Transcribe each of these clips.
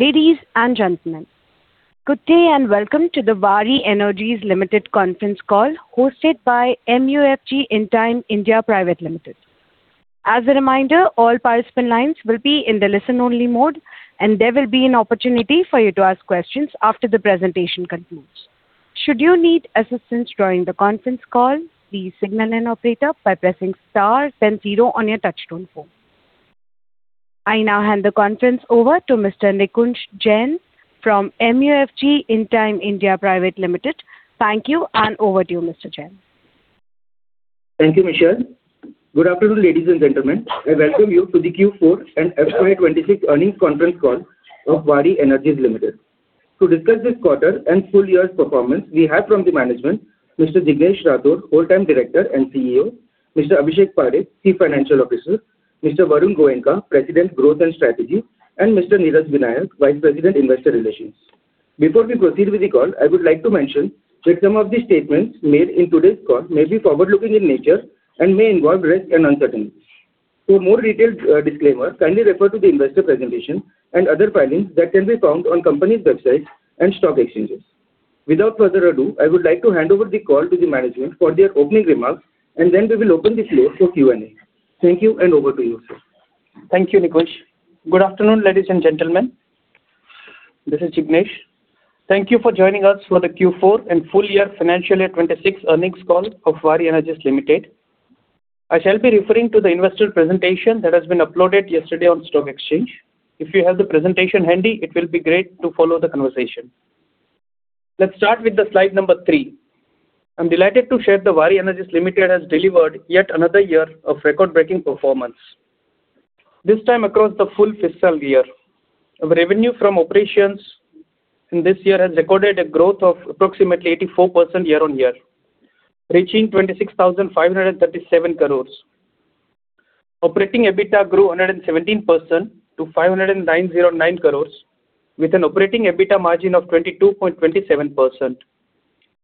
Ladies, and gentlemen, good day, and welcome to the Waaree Energies Limited conference call hosted by MUFG In Time India Private Limited. As a reminder, all participant lines will be in the listen-only mode, and there will be an opportunity for you to ask questions after the presentation concludes. Should you need assistance during the conference call, please signal an operator by pressing star then zero on your touchtone phone. I now hand the conference over to Mr. Nikunj Jain from MUFG In Time India Private Limited. Thank you, and over to you, Mr. Jain. Thank you, Michelle. Good afternoon, ladies, and gentlemen. I welcome you to the Q4 and FY 2026 earnings conference call of Waaree Energies Limited. To discuss this quarter and full year's performance, we have from the management Mr. Jignesh Rathod, Whole-Time Director and CEO, Mr. Abhishek Pareek, Chief Financial Officer, Mr. Varun Goenka, President, Growth and Strategy, and Mr. Niraj Vora, Vice President, Investor Relations. Before we proceed with the call, I would like to mention that some of the statements made in today's call may be forward-looking in nature and may involve risk and uncertainty. For more detailed disclaimer, kindly refer to the investor presentation and other filings that can be found on company's website and stock exchanges. Without further ado, I would like to hand over the call to the management for their opening remarks, and then we will open the floor for Q&A. Thank you, and over to you, sir. Thank you, Nikunj. Good afternoon, ladies, and gentlemen. This is Jignesh. Thank you for joining us for the Q4 and full year financial year 2026 earnings call of Waaree Energies Limited. I shall be referring to the investor presentation that has been uploaded yesterday on stock exchange. If you have the presentation handy, it will be great to follow the conversation. Let's start with the slide number three. I am delighted to share that Waaree Energies Limited has delivered yet another year of record-breaking performance, this time across the full fiscal year. Our revenue from operations in this year has recorded a growth of approximately 84% year-on-year, reaching 26,537 crores. Operating EBITDA grew 117% to 509.09 crores with an operating EBITDA margin of 22.27%.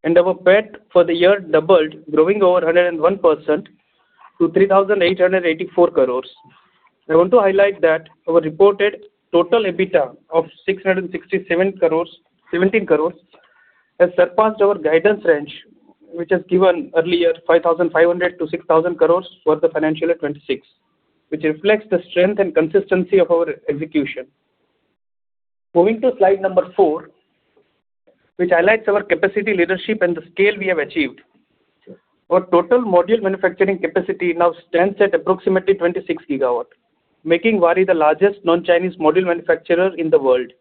Our PAT for the year doubled, growing over 101% to 3,884 crores. I want to highlight that our reported total EBITDA of 617 crores has surpassed our guidance range, which is given earlier, 5,500-6,000 crores for FY 2026, which reflects the strength and consistency of our execution. Moving to slide number four, which highlights our capacity leadership and the scale we have achieved. Our total module manufacturing capacity now stands at approximately 26 GW, making Waaree the largest non-Chinese module manufacturer in the world.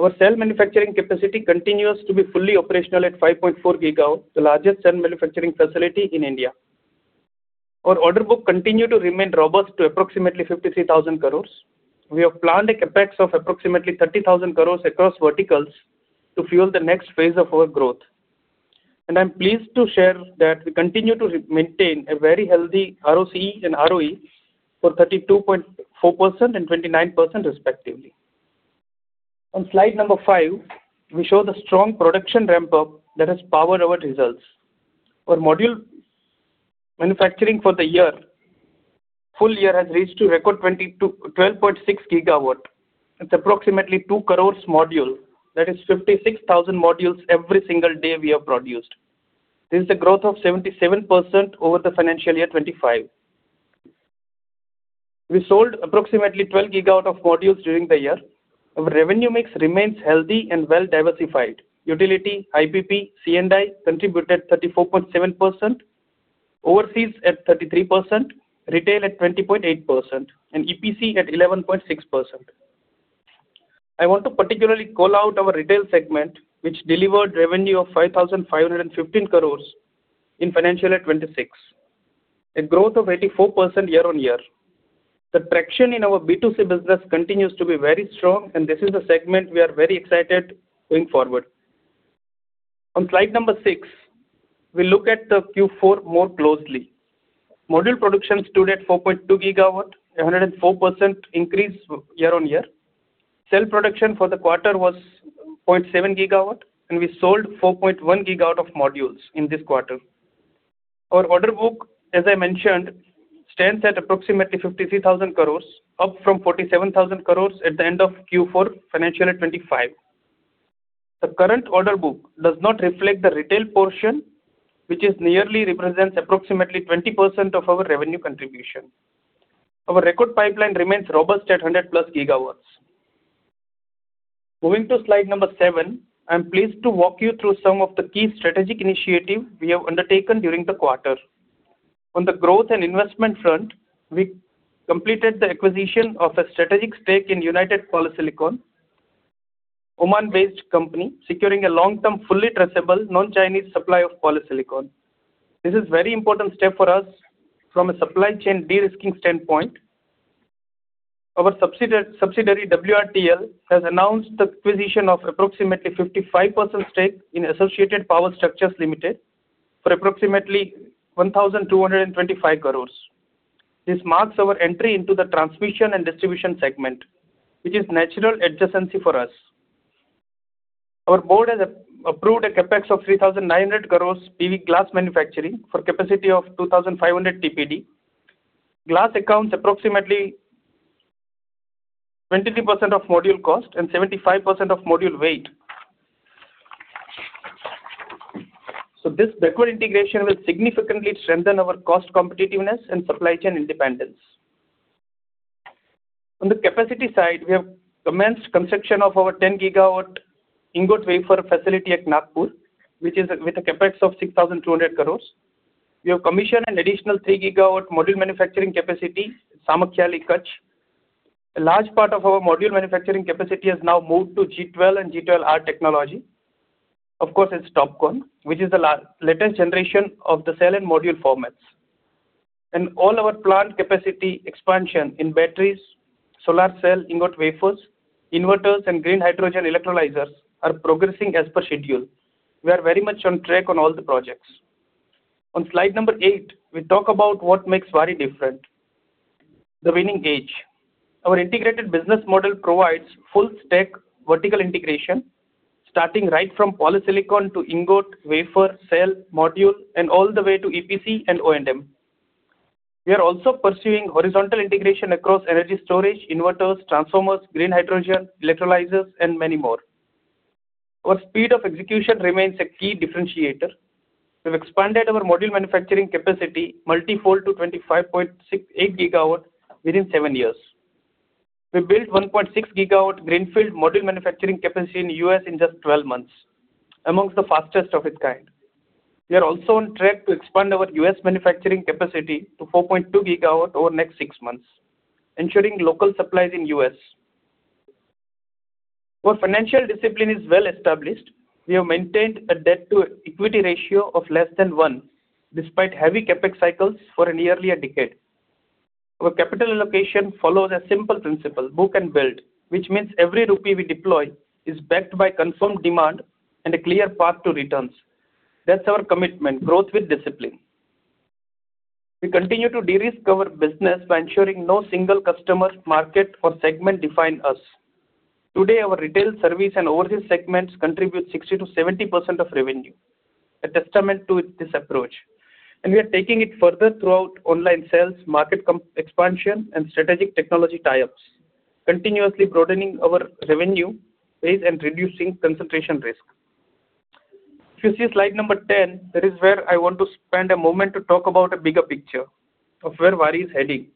Our cell manufacturing capacity continues to be fully operational at 5.4 GW, the largest cell manufacturing facility in India. Our order book continue to remain robust to approximately 53,000 crores. We have planned CapEx of approximately 30,000 crore across verticals to fuel the next phase of our growth. I'm pleased to share that we continue to maintain a very healthy ROCE and ROE for 32.4% and 29% respectively. On slide number five, we show the strong production ramp-up that has powered our results. Our module manufacturing for the year, full year has reached to record 12.6 GW. It's approximately 2 crore module. That is 56,000 modules every single day we have produced. This is a growth of 77% over the FY 2025. We sold approximately 12 GW of modules during the year. Our revenue mix remains healthy and well-diversified. Utility, IPP, C&I contributed 34.7%, overseas at 33%, retail at 20.8%, and EPC at 11.6%. I want to particularly call out our retail segment, which delivered revenue of 5,515 crores in FY 2026, a growth of 84% year-on-year. The traction in our B2C business continues to be very strong, this is a segment we are very excited going forward. On slide number six, we look at the Q4 more closely. Module production stood at 4.2 GW, a 104% increase year-on-year. Cell production for the quarter was 0.7 GW, we sold 4.1 GW of modules in this quarter. Our order book, as I mentioned, stands at approximately 53,000 crores, up from 47,000 crores at the end of Q4 FY 2025. The current order book does not reflect the retail portion, which is nearly represents approximately 20% of our revenue contribution. Our record pipeline remains robust at 100+ GW. Moving to slide number seven, I am pleased to walk you through some of the key strategic initiative we have undertaken during the quarter. On the growth and investment front, we completed the acquisition of a strategic stake in United Polysilicon, Oman-based company, securing a long-term, fully traceable, non-Chinese supply of polysilicon. This is very important step for us from a supply chain de-risking standpoint. Our subsidiary, WRTL, has announced the acquisition of approximately 55% stake in Associated Power Structures Limited for approximately 1,225 crores. This marks our entry into the transmission and distribution segment, which is natural adjacency for us. Our board has approved a CapEx of 3,900 crores PV glass manufacturing for capacity of 2,500 TPD. Glass accounts approximately 23% of module cost and 75% of module weight. This backward integration will significantly strengthen our cost competitiveness and supply chain independence. On the capacity side, we have commenced construction of our 10 GW ingot wafer facility at Nagpur, which is with a CapEx of 6,200 crores. We have commissioned an additional 3 GW module manufacturing capacity, Samakhiali, Kutch. A large part of our module manufacturing capacity has now moved to G12 and G12R technology. Of course, it's TOPCon, which is the latest generation of the cell and module formats. All our plant capacity expansion in batteries, solar cell, ingot wafers, inverters, and green hydrogen electrolyzers are progressing as per schedule. We are very much on track on all the projects. On slide number eight, we talk about what makes Waaree different. The winning edge. Our integrated business model provides full stack vertical integration, starting right from polysilicon to ingot, wafer, cell, module, and all the way to EPC and ODM. We are also pursuing horizontal integration across energy storage, inverters, transformers, green hydrogen, electrolyzers, and many more. Our speed of execution remains a key differentiator. We've expanded our module manufacturing capacity multi-fold to 25.68 GW within seven years. We built 1.6 GW greenfield module manufacturing capacity in U.S. in just 12 months, amongst the fastest of its kind. We are also on track to expand our U.S. manufacturing capacity to 4.2 GW over the next six months, ensuring local supplies in U.S. Our financial discipline is well established. We have maintained a debt to equity ratio of less than one, despite heavy CapEx cycles for nearly a decade. Our capital allocation follows a simple principle, book and build, which means every rupee we deploy is backed by confirmed demand and a clear path to returns. That's our commitment, growth with discipline. We continue to de-risk our business by ensuring no single customer, market or segment define us. Today, our retail service and overseas segments contribute 60%-70% of revenue, a testament to this approach. We are taking it further throughout online sales, market expansion, and strategic technology tie-ups, continuously broadening our revenue base and reducing concentration risk. If you see slide number 10, that is where I want to spend a moment to talk about a bigger picture of where Waaree is heading.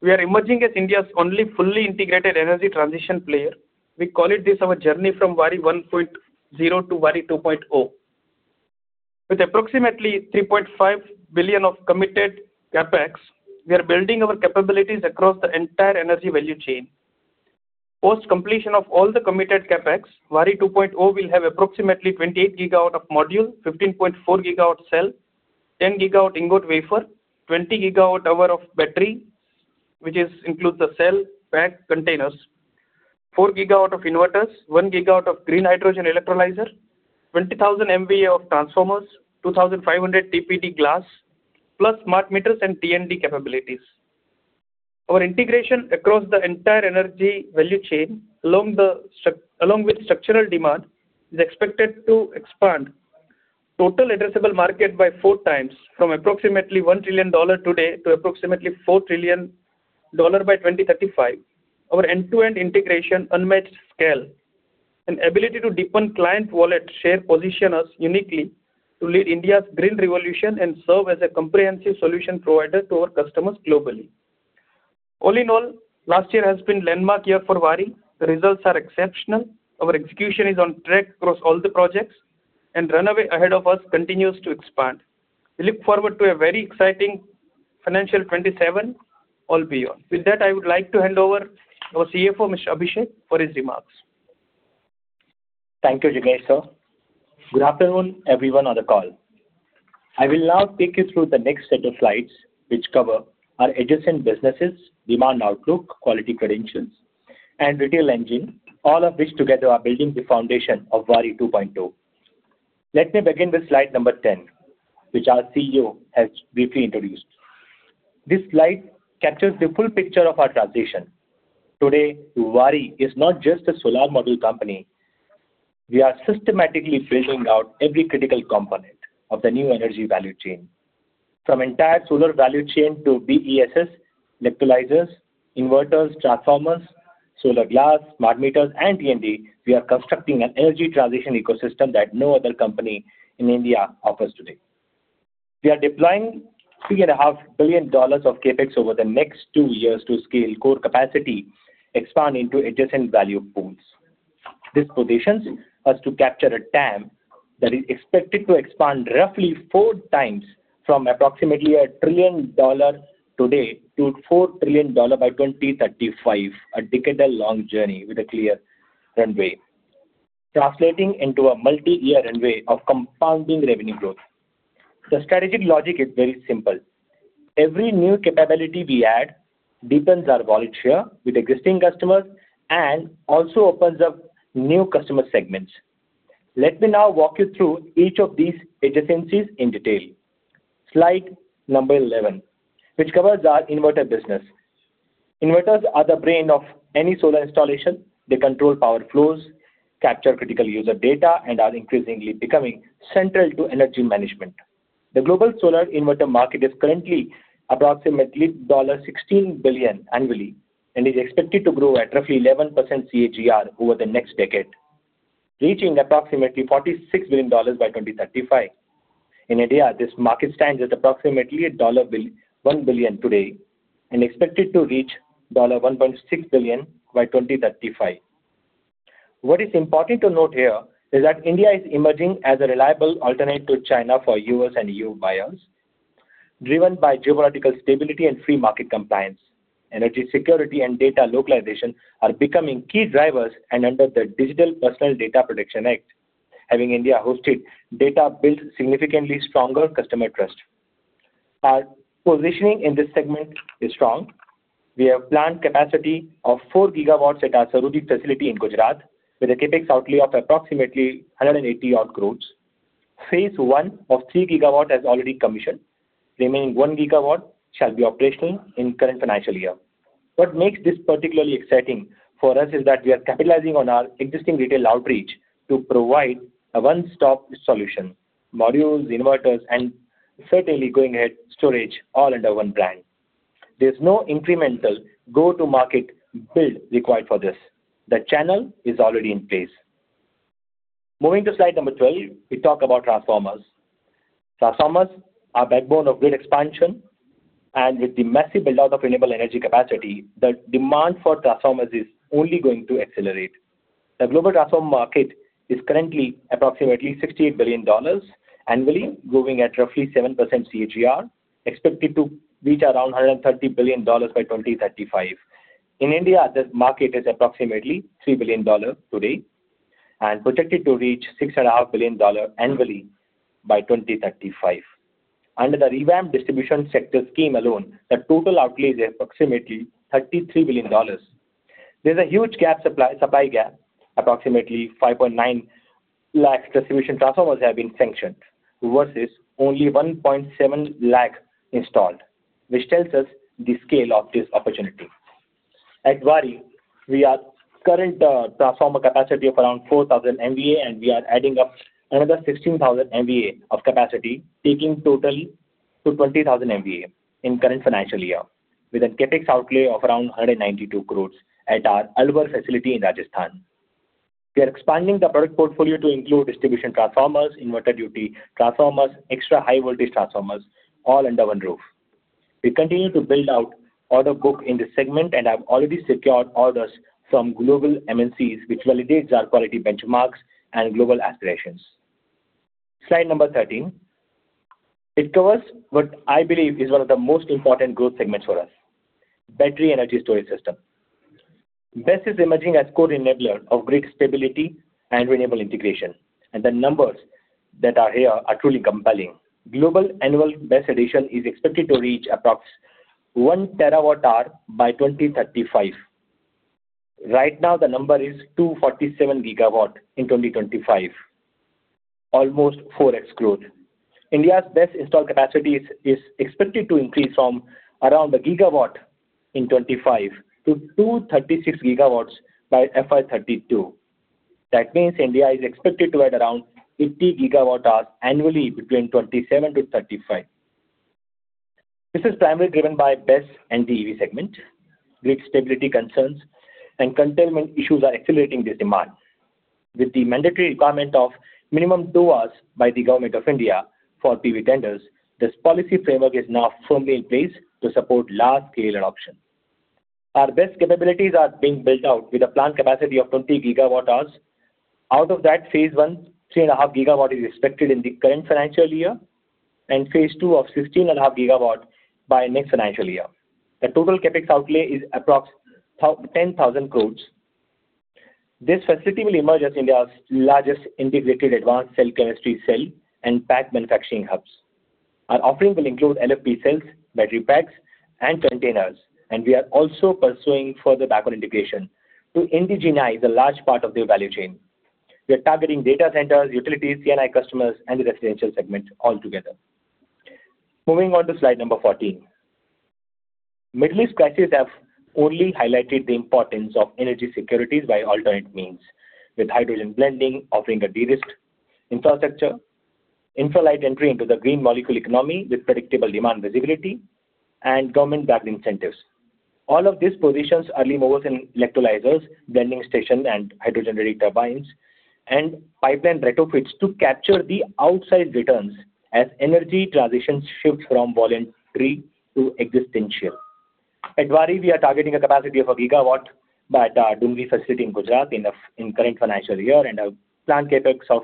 We are emerging as India's only fully integrated energy transition player. We call it this our journey from Waaree 1.0 to Waaree 2.0. With approximately $3.5 billion of committed CapEx, we are building our capabilities across the entire energy value chain. Post completion of all the committed CapEx, Waaree 2.0 will have approximately 28 GW of module, 15.4 GW cell, 10 GW ingot wafer, 20 GWh of battery, which is includes the cell, pack, containers, 4 GW of inverters, 1 GW of green hydrogen electrolyzer, 20,000 MVA of transformers, 2,500 TPD glass, plus smart meters and T&D capabilities. Our integration across the entire energy value chain, along with structural demand, is expected to expand total addressable market by 4x, from approximately $1 trillion today to approximately $4 trillion by 2035. Our end-to-end integration, unmatched scale, and ability to deepen client wallet share position us uniquely to lead India's green revolution and serve as a comprehensive solution provider to our customers globally. All in all, last year has been landmark year for Waaree. The results are exceptional. Our execution is on track across all the projects, and runway ahead of us continues to expand. We look forward to a very exciting financial 2027 or beyond. With that, I would like to hand over our CFO, Mr. Abhishek, for his remarks. Thank you, Jignesh, sir. Good afternoon, everyone on the call. I will now take you through the next set of slides, which cover our adjacent businesses, demand outlook, quality credentials, and retail engine, all of which together are building the foundation of Waaree 2.0. Let me begin with slide number 10, which our CEO has briefly introduced. This slide captures the full picture of our transition. Today, Waaree is not just a solar module company. We are systematically building out every critical component of the new energy value chain. From entire solar value chain to BESS, electrolyzers, inverters, transformers, solar glass, smart meters, and T&D, we are constructing an energy transition ecosystem that no other company in India offers today. We are deploying $3.5 billion of CapEx over the next two years to scale core capacity, expand into adjacent value pools. This positions us to capture a TAM that is expected to expand roughly 4x from approximately $1 trillion today to $4 trillion by 2035, a decadal long journey with a clear runway. Translating into a multi-year runway of compounding revenue growth. The strategic logic is very simple. Every new capability we add deepens our wallet share with existing customers and also opens up new customer segments. Let me now walk you through each of these adjacencies in detail. Slide number 11, which covers our inverter business. Inverters are the brain of any solar installation. They control power flows, capture critical user data, and are increasingly becoming central to energy management. The global solar inverter market is currently approximately $16 billion annually, and is expected to grow at roughly 11% CAGR over the next decade, reaching approximately $46 billion by 2035. In India, this market stands at approximately $1 billion today and expected to reach $1.6 billion by 2035. What is important to note here is that India is emerging as a reliable alternate to China for U.S. and EU buyers, driven by geopolitical stability and free market compliance. Energy security and data localization are becoming key drivers. Under the Digital Personal Data Protection Act, having India hosted data builds significantly stronger customer trust. Our positioning in this segment is strong. We have planned capacity of 4 GW at our Sarodhi facility in Gujarat with a CapEx outlay of approximately 180-odd crores. Phase I of 3 GW has already commissioned. Remaining 1 GW shall be operational in current financial year. What makes this particularly exciting for us is that we are capitalizing on our existing retail outreach to provide a one-stop solution. Modules, inverters, and certainly going ahead, storage, all under one brand. There's no incremental go-to-market build required for this. The channel is already in place. Moving to slide number 12, we talk about transformers. Transformers are backbone of grid expansion, and with the massive build-out of renewable energy capacity, the demand for transformers is only going to accelerate. The global transformer market is currently approximately $68 billion annually, growing at roughly 7% CAGR, expected to reach around $130 billion by 2035. In India, this market is approximately $3 billion today and projected to reach $6.5 billion annually by 2035. Under the Revamped Distribution Sector Scheme alone, the total outlay is approximately $33 billion. There's a huge supply gap, approximately 5.9 lakh distribution transformers have been sanctioned, versus only 1.7 lakh installed, which tells us the scale of this opportunity. At Waaree, we have current transformer capacity of around 4,000 MVA, and we are adding up another 16,000 MVA of capacity, taking total to 20,000 MVA in current financial year, with a CapEx outlay of around 192 crores at our Alwar facility in Rajasthan. We are expanding the product portfolio to include distribution transformers, inverter duty transformers, extra high voltage transformers, all under one roof. We continue to build out order book in this segment, and have already secured orders from global MNCs, which validates our quality benchmarks and global aspirations. Slide number 13. It covers what I believe is one of the most important growth segments for us, battery energy storage system. BESS is emerging as core enabler of grid stability and renewable integration. The numbers that are here are truly compelling. Global annual BESS addition is expected to reach approx 1 TWh by 2035. Right now, the number is 247 GW in 2025, almost 4x growth. India's BESS install capacity is expected to increase from around 1 GW in 2025 to 236 GW by FY 2032. That means India is expected to add around 50 GWh annually between 2027-2035. This is primarily driven by BESS and the EV segment. Grid stability concerns and containment issues are accelerating the demand. With the mandatory requirement of minimum two hours by the Government of India for PV tenders, this policy framework is now firmly in place to support large-scale adoption. Our BESS capabilities are being built out with a planned capacity of 20 GWh. Out of that, phase I, 3.5 GW is expected in the current financial year, and phase II of 16.5 GW by next financial year. The total CapEx outlay is approx 10,000 crores. This facility will emerge as India's largest integrated advanced cell chemistry cell and pack manufacturing hubs. Our offering will include LFP cells, battery packs and containers, and we are also pursuing further backward integration to indigenize a large part of the value chain. We are targeting data centers, utilities, C&I customers and the residential segment altogether. Moving on to slide number 14. Middle East crises have only highlighted the importance of energy securities by alternate means, with hydrogen blending offering a de-risked infrastructure, info light entry into the green molecule economy with predictable demand visibility and government-backed incentives. All of these positions early movers in electrolyzers, blending station and hydrogen-ready turbines and pipeline retrofits to capture the outsized returns as energy transitions shift from voluntary to existential. At Waaree, we are targeting a capacity of 1 GW at our Dhundi facility in Gujarat in current financial year and a planned CapEx of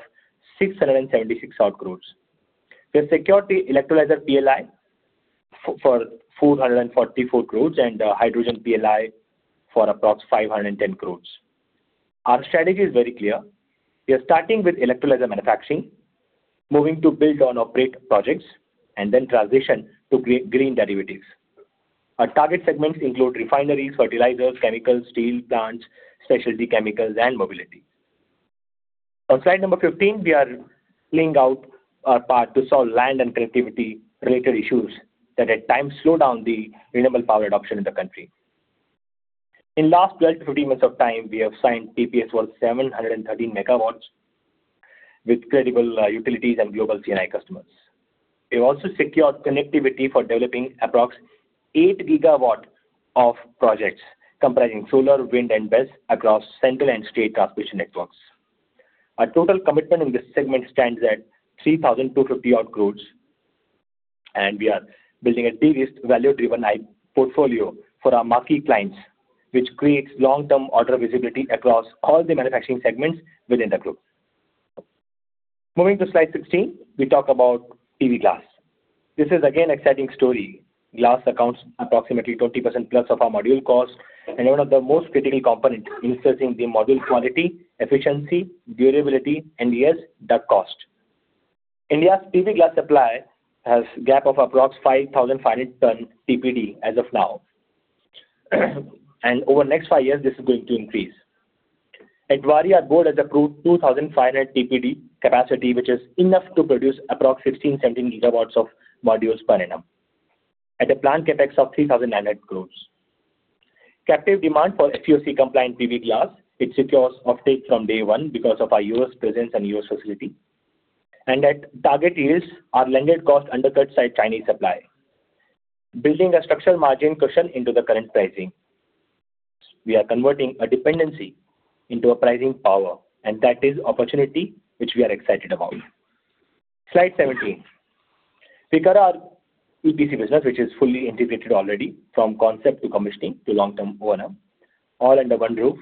676 crores. We have secured the electrolyzer PLI for 444 crores and a hydrogen PLI for approx 510 crores. Our strategy is very clear. We are starting with electrolyzer manufacturing, moving to build on operate projects, and then transition to green derivatives. Our target segments include refineries, fertilizers, chemicals, steel plants, specialty chemicals, and mobility. On slide number 15, we are laying out our path to solve land and connectivity related issues that at times slow down the renewable power adoption in the country. In last 12-15 months of time, we have signed PPAs worth 713 MW with credible utilities and global C&I customers. We've also secured connectivity for developing approx 8 GW of projects, comprising solar, wind, and BESS across central and state transmission networks. Our total commitment in this segment stands at 3,250 odd crores, and we are building a diverse, value-driven IP portfolio for our marquee clients, which creates long-term order visibility across all the manufacturing segments within the group. Moving to slide 16, we talk about PV glass. This is again exciting story. Glass accounts approximately 20%+ of our module cost and one of the most critical component influencing the module quality, efficiency, durability, and yes, the cost. India's PV glass supply has gap of approx 5,500 ton TPD as of now. Over the next five years, this is going to increase. At Waaree, our board has approved 2,500 TPD capacity, which is enough to produce approx 16 GW, 17 GW of modules per annum at a plant CapEx of 3,900 crores. Captive demand for FEOC compliant PV glass, it secures offtake from day one because of our U.S. presence and U.S. facility. At target yields, our landed cost undercuts Chinese supply, building a structural margin cushion into the current pricing. We are converting a dependency into a pricing power, and that is opportunity which we are excited about. Slide 17. We grew our EPC business, which is fully integrated already from concept to commissioning to long-term O&M, all under one roof.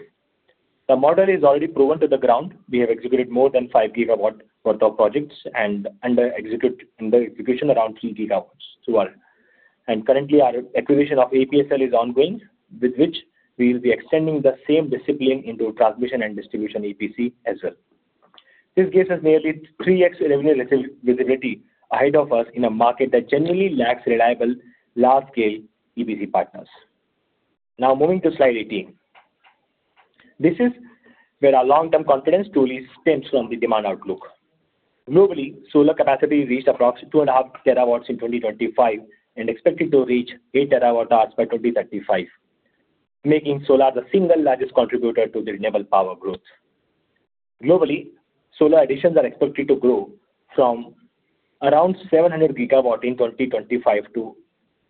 The model is already proven to the ground. We have executed more than 5 GW worth of projects and under execution, around 3 GW to all. Currently, our acquisition of APSL is ongoing, with which we will be extending the same discipline into transmission and distribution EPC as well. This gives us nearly 3x revenue visibility ahead of us in a market that generally lacks reliable large-scale EPC partners. Moving to slide 18. This is where our long-term confidence truly stems from the demand outlook. Globally, solar capacity reached approx 2.5 TW in 2025 and expected to reach 8 TWh by 2035, making solar the single largest contributor to the renewable power growth. Globally, solar additions are expected to grow from around 700 GW in 2025 to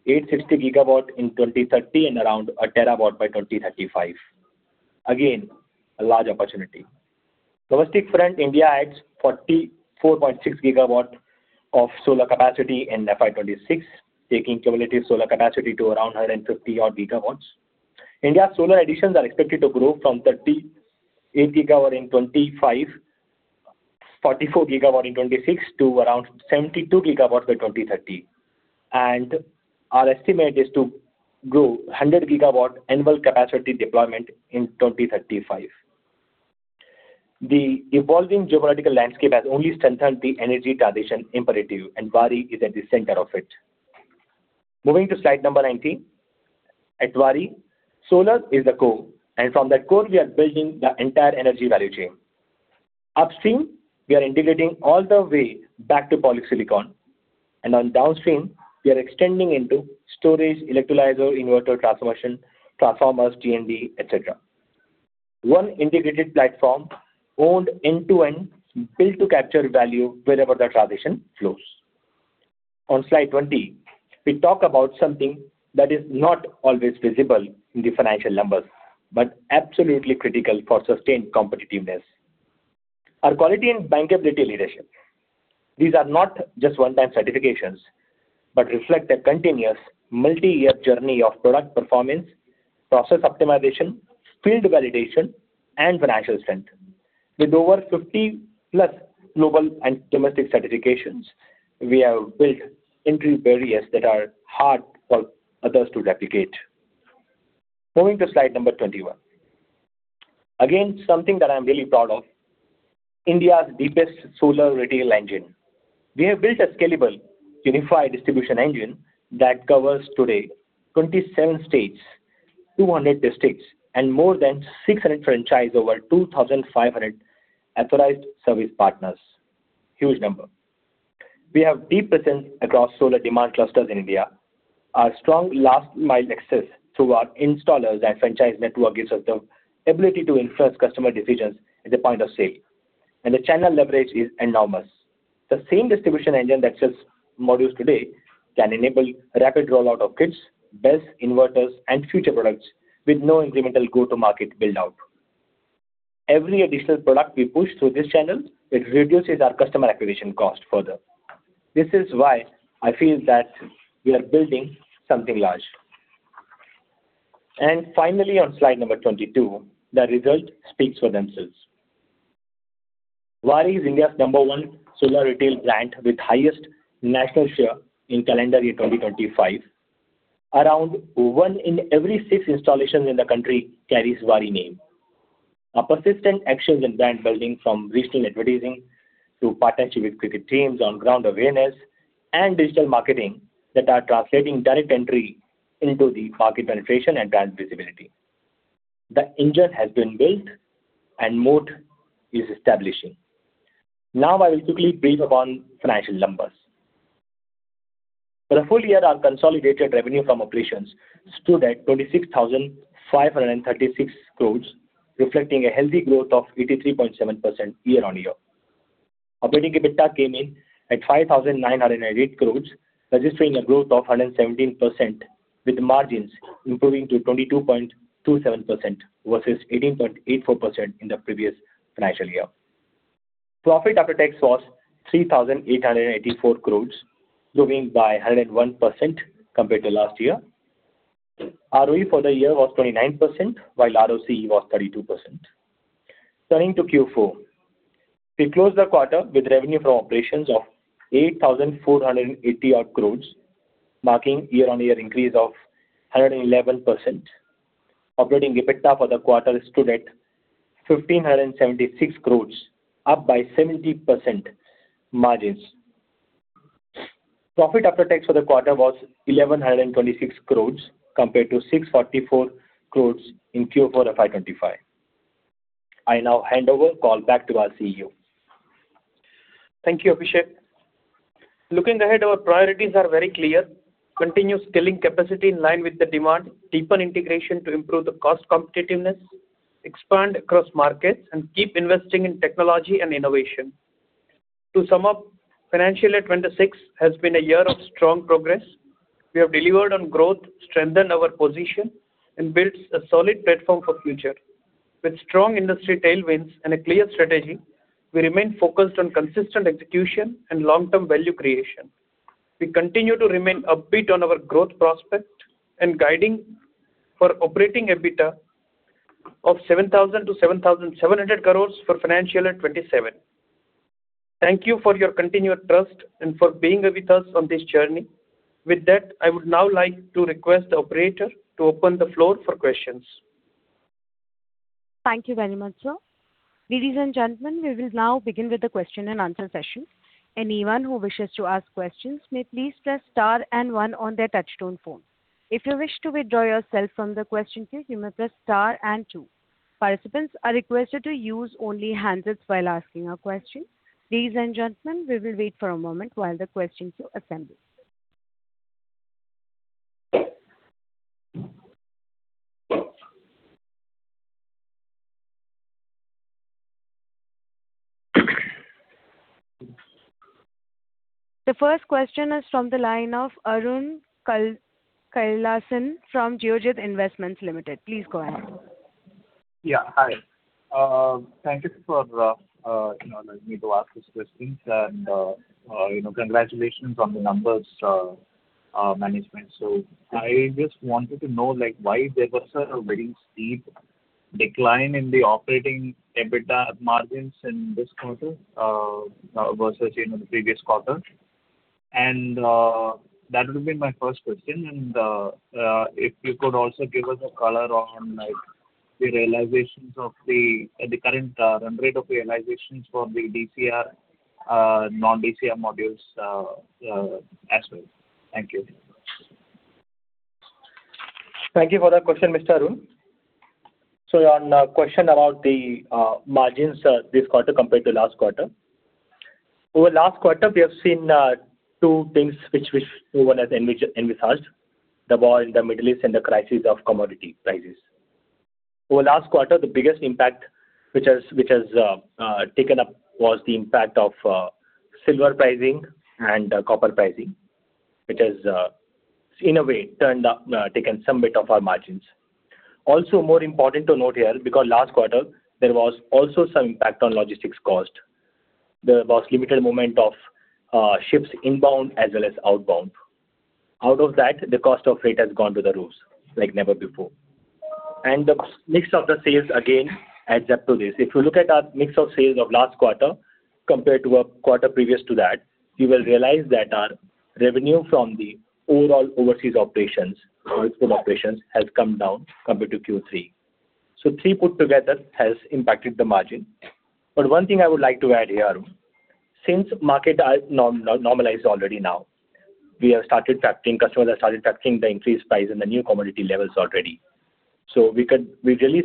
860 GW in 2030 and around 1 TW by 2035. Again, a large opportunity. Domestic front, India adds 44.6 GW of solar capacity in FY 2026, taking cumulative solar capacity to around 150-odd GW. India solar additions are expected to grow from 38 GW in 2025, 44 GW in 2026 to around 72 GW by 2030. Our estimate is to grow 100 GW annual capacity deployment in 2035. The evolving geopolitical landscape has only strengthened the energy transition imperative, and Waaree is at the center of it. Moving to slide number 19. At Waaree, solar is the core, and from that core, we are building the entire energy value chain. Upstream, we are integrating all the way back to polysilicon, and on downstream, we are extending into storage, electrolyzer, inverter, transformation, transformers, DNV, et cetera. One integrated platform owned end-to-end, built to capture value wherever the transition flows. On slide 20, we talk about something that is not always visible in the financial numbers, but absolutely critical for sustained competitiveness. Our quality and bankability leadership. These are not just one-time certifications, but reflect a continuous multi-year journey of product performance, process optimization, field validation, and financial strength. With over 50+ global and domestic certifications, we have built entry barriers that are hard for others to replicate. Moving to slide number 21. Again, something that I'm really proud of. India's deepest solar retail engine. We have built a scalable, unified distribution engine that covers today 27 states, 200 districts, and more than 600 franchise over 2,500 authorized service partners. Huge number. We have deep presence across solar demand clusters in India. Our strong last mile access through our installers and franchise network gives us the ability to influence customer decisions at the point of sale. The channel leverage is enormous. The same distribution engine that sells modules today can enable rapid rollout of kits, BESS, inverters, and future products with no incremental go-to-market build-out. Every additional product we push through this channel, it reduces our customer acquisition cost further. This is why I feel that we are building something large. Finally, on slide number 22, the result speaks for themselves. Waaree is India's number one solar retail brand with highest national share in calendar year 2025. Around one in every six installations in the country carries Waaree name. Our persistent actions in brand building from regional advertising to partnership with cricket teams on ground awareness and digital marketing that are translating direct entry into the market penetration and brand visibility. The engine has been built and moat is establishing. Now, I will quickly brief upon financial numbers. For the full year, our consolidated revenue from operations stood at 26,536 crores, reflecting a healthy growth of 83.7% year-on-year. Operating EBITDA came in at 5,908 crores, registering a growth of 117%, with margins improving to 22.27% versus 18.84% in the previous financial year. Profit after tax was 3,884 crores, growing by 101% compared to last year. ROE for the year was 29%, while ROCE was 32%. Turning to Q4. We closed the quarter with revenue from operations of 8,480-odd crores, marking year-on-year increase of 111%. Operating EBITDA for the quarter stood at 1,576 crores, up by 70% margins. Profit after tax for the quarter was 1,126 crores compared to 644 crores in Q4 FY 2025. I now hand over call back to our CEO. Thank you, Abhishek. Looking ahead, our priorities are very clear. Continue scaling capacity in line with the demand, deepen integration to improve the cost competitiveness, expand across markets, and keep investing in technology and innovation. To sum up, financial year 2026 has been a year of strong progress. We have delivered on growth, strengthened our position, and built a solid platform for future. With strong industry tailwinds and a clear strategy, we remain focused on consistent execution and long-term value creation. We continue to remain upbeat on our growth prospect and guiding for operating EBITDA of 7,000-7,700 crore for financial year 2027. Thank you for your continued trust and for being with us on this journey. With that, I would now like to request the operator to open the floor for questions. Thank you very much, sir. Ladies, and gentlemen, we will now begin with the question-and-answer session. Anyone who wishes to ask questions may please press star and one on their touchtone phone. If you wish to withdraw yourself from the question queue, you may press star and two. Participants are requested to use only handsets while asking a question. Ladies, and gentlemen, we will wait for a moment while the questions are assembled. The first question is from the line of Arun Kailasan from Geojit Investments Limited. Please go ahead. Yeah, hi. Thank you for, you know, letting me to ask these questions and, you know, congratulations on the numbers, management. I just wanted to know, like, why there was a very steep decline in the operating EBITDA margins in this quarter, versus, you know, the previous quarter. If you could also give us a color on, like, the realizations of the current run rate of realizations for the DCR, non-DCR modules, as well. Thank you. Thank you for that question, Mr. Arun. On question about the margins this quarter compared to last quarter. Over last quarter, we have seen two things which no one has envisaged. The war in the Middle East and the crisis of commodity prices. Over last quarter, the biggest impact which has taken up was the impact of silver pricing and copper pricing, which has in a way turned up, taken some bit of our margins. More important to note here, because last quarter there was also some impact on logistics cost. There was limited movement of ships inbound as well as outbound. Out of that, the cost of freight has gone through the roofs like never before. The mix of the sales again adds up to this. If you look at our mix of sales of last quarter compared to a quarter previous to that, you will realize that our revenue from the overall overseas operations, vertical operations, has come down compared to Q3. Three put together has impacted the margin. One thing I would like to add here, Arun. Since market has normalized already now, customers have started factoring the increased price in the new commodity levels already. We really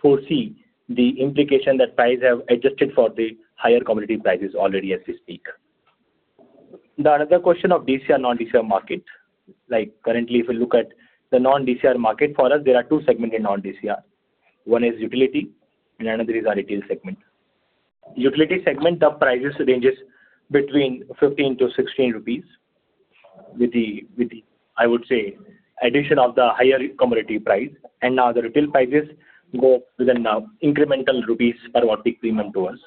foresee the implication that price have adjusted for the higher commodity prices already as we speak. The another question of DCR, non-DCR market. Like currently, if you look at the non-DCR market for us, there are two segment in non-DCR. One is utility and another is our retail segment. Utility segment, the prices ranges between 15-16 rupees with the, I would say, addition of the higher commodity price. Now the retail prices go within incremental INR per watt peak premium to us.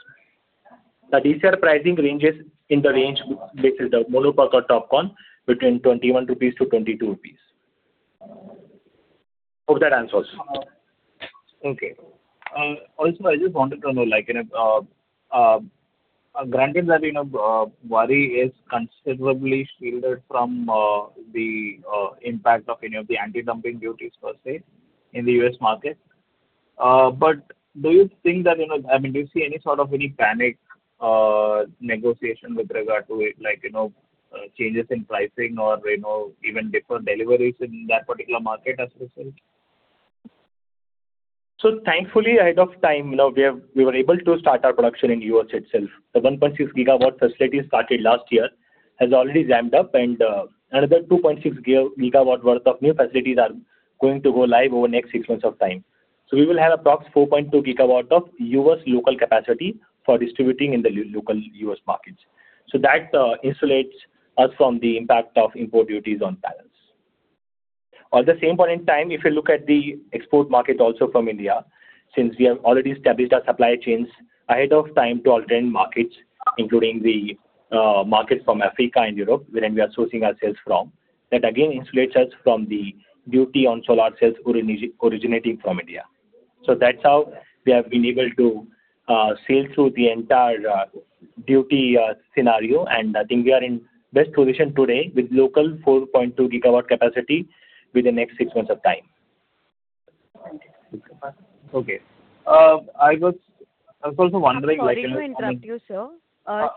The DCR pricing ranges in the range, which is the mono PERC or TOPCon between 21-22 rupees. Hope that answers. Okay. Also I just wanted to know, like, you know, granted that, you know, Waaree is considerably shielded from the impact of any of the Anti-Dumping Duties per se in the U.S. market. Do you think that, you know, I mean, do you see any sort of any panic, negotiation with regard to it, like, you know, changes in pricing or, you know, even different deliveries in that particular market as a result? Thankfully, ahead of time, you know, we were able to start our production in U.S. itself. The 1.6 GW facility started last year has already ramped up, and another 2.6 GW worth of new facilities are going to go live over the next six months of time. We will have approx 4.2 GW of U.S. local capacity for distributing in the local U.S. markets. That insulates us from the impact of import duties on panels. At the same point in time, if you look at the export market also from India, since we have already established our supply chains ahead of time to alternate markets, including the markets from Africa and Europe wherein we are sourcing our sales from, that again insulates us from the duty on solar cells originating from India. That's how we have been able to sail through the entire duty scenario. I think we are in best position today with local 4.2 GW capacity within next six months of time. Thank you. Okay. I was also wondering. I'm sorry to interrupt you, sir.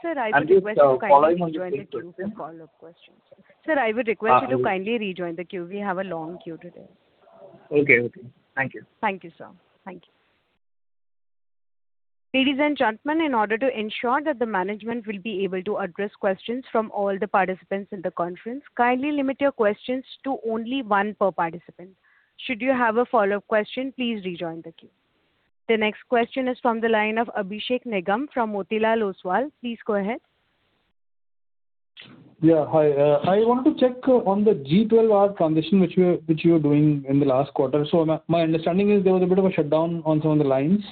Sir, I would request you to kindly rejoin the queue for follow-up questions. Just a follow on this same question. Sir, I would request you to kindly rejoin the queue. We have a long queue today. Okay. Okay. Thank you. Thank you, sir. Thank you. Ladies, and gentlemen, in order to ensure that the management will be able to address questions from all the participants in the conference, kindly limit your questions to only one per participant. Should you have a follow-up question, please rejoin the queue. The next question is from the line of Abhishek Nigam from Motilal Oswal. Please go ahead. Yeah, hi. I want to check on the G12R transition which you were doing in the last quarter. My understanding is there was a bit of a shutdown on some of the lines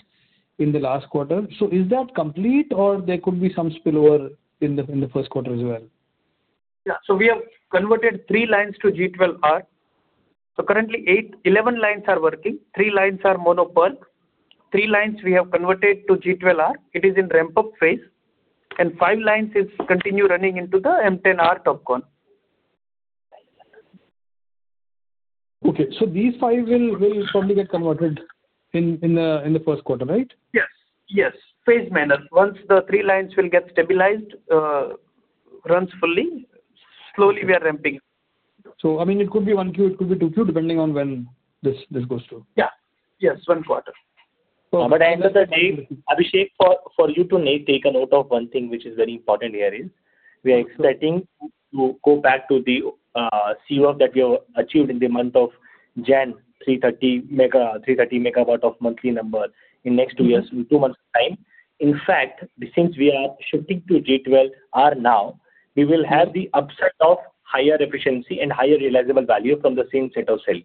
in the last quarter. Is that complete or there could be some spill-over in the first quarter as well? Yeah. We have converted three lines to G12R. Currently 11 lines are working. Three lines are mono PERC. Three lines we have converted to G12R. It is in ramp-up phase. Five lines is continue running into the M10R TOPCon. Okay. These five will probably get converted in the first quarter, right? Yes. Yes. Phase manner. Once the three lines will get stabilized, runs fully, slowly we are ramping up. I mean it could be 1Q, it could be 2Q, depending on when this goes through. Yeah. Yes. One quarter. Okay. I understand, Abhishek, for you to take a note of one thing which is very important here is we are expecting to go back to the C of that we have achieved in the month of January, 330 MW of monthly number in next two months time. In fact, since we are shifting to G12R now, we will have the upset of higher efficiency and higher realizable value from the same set of cell.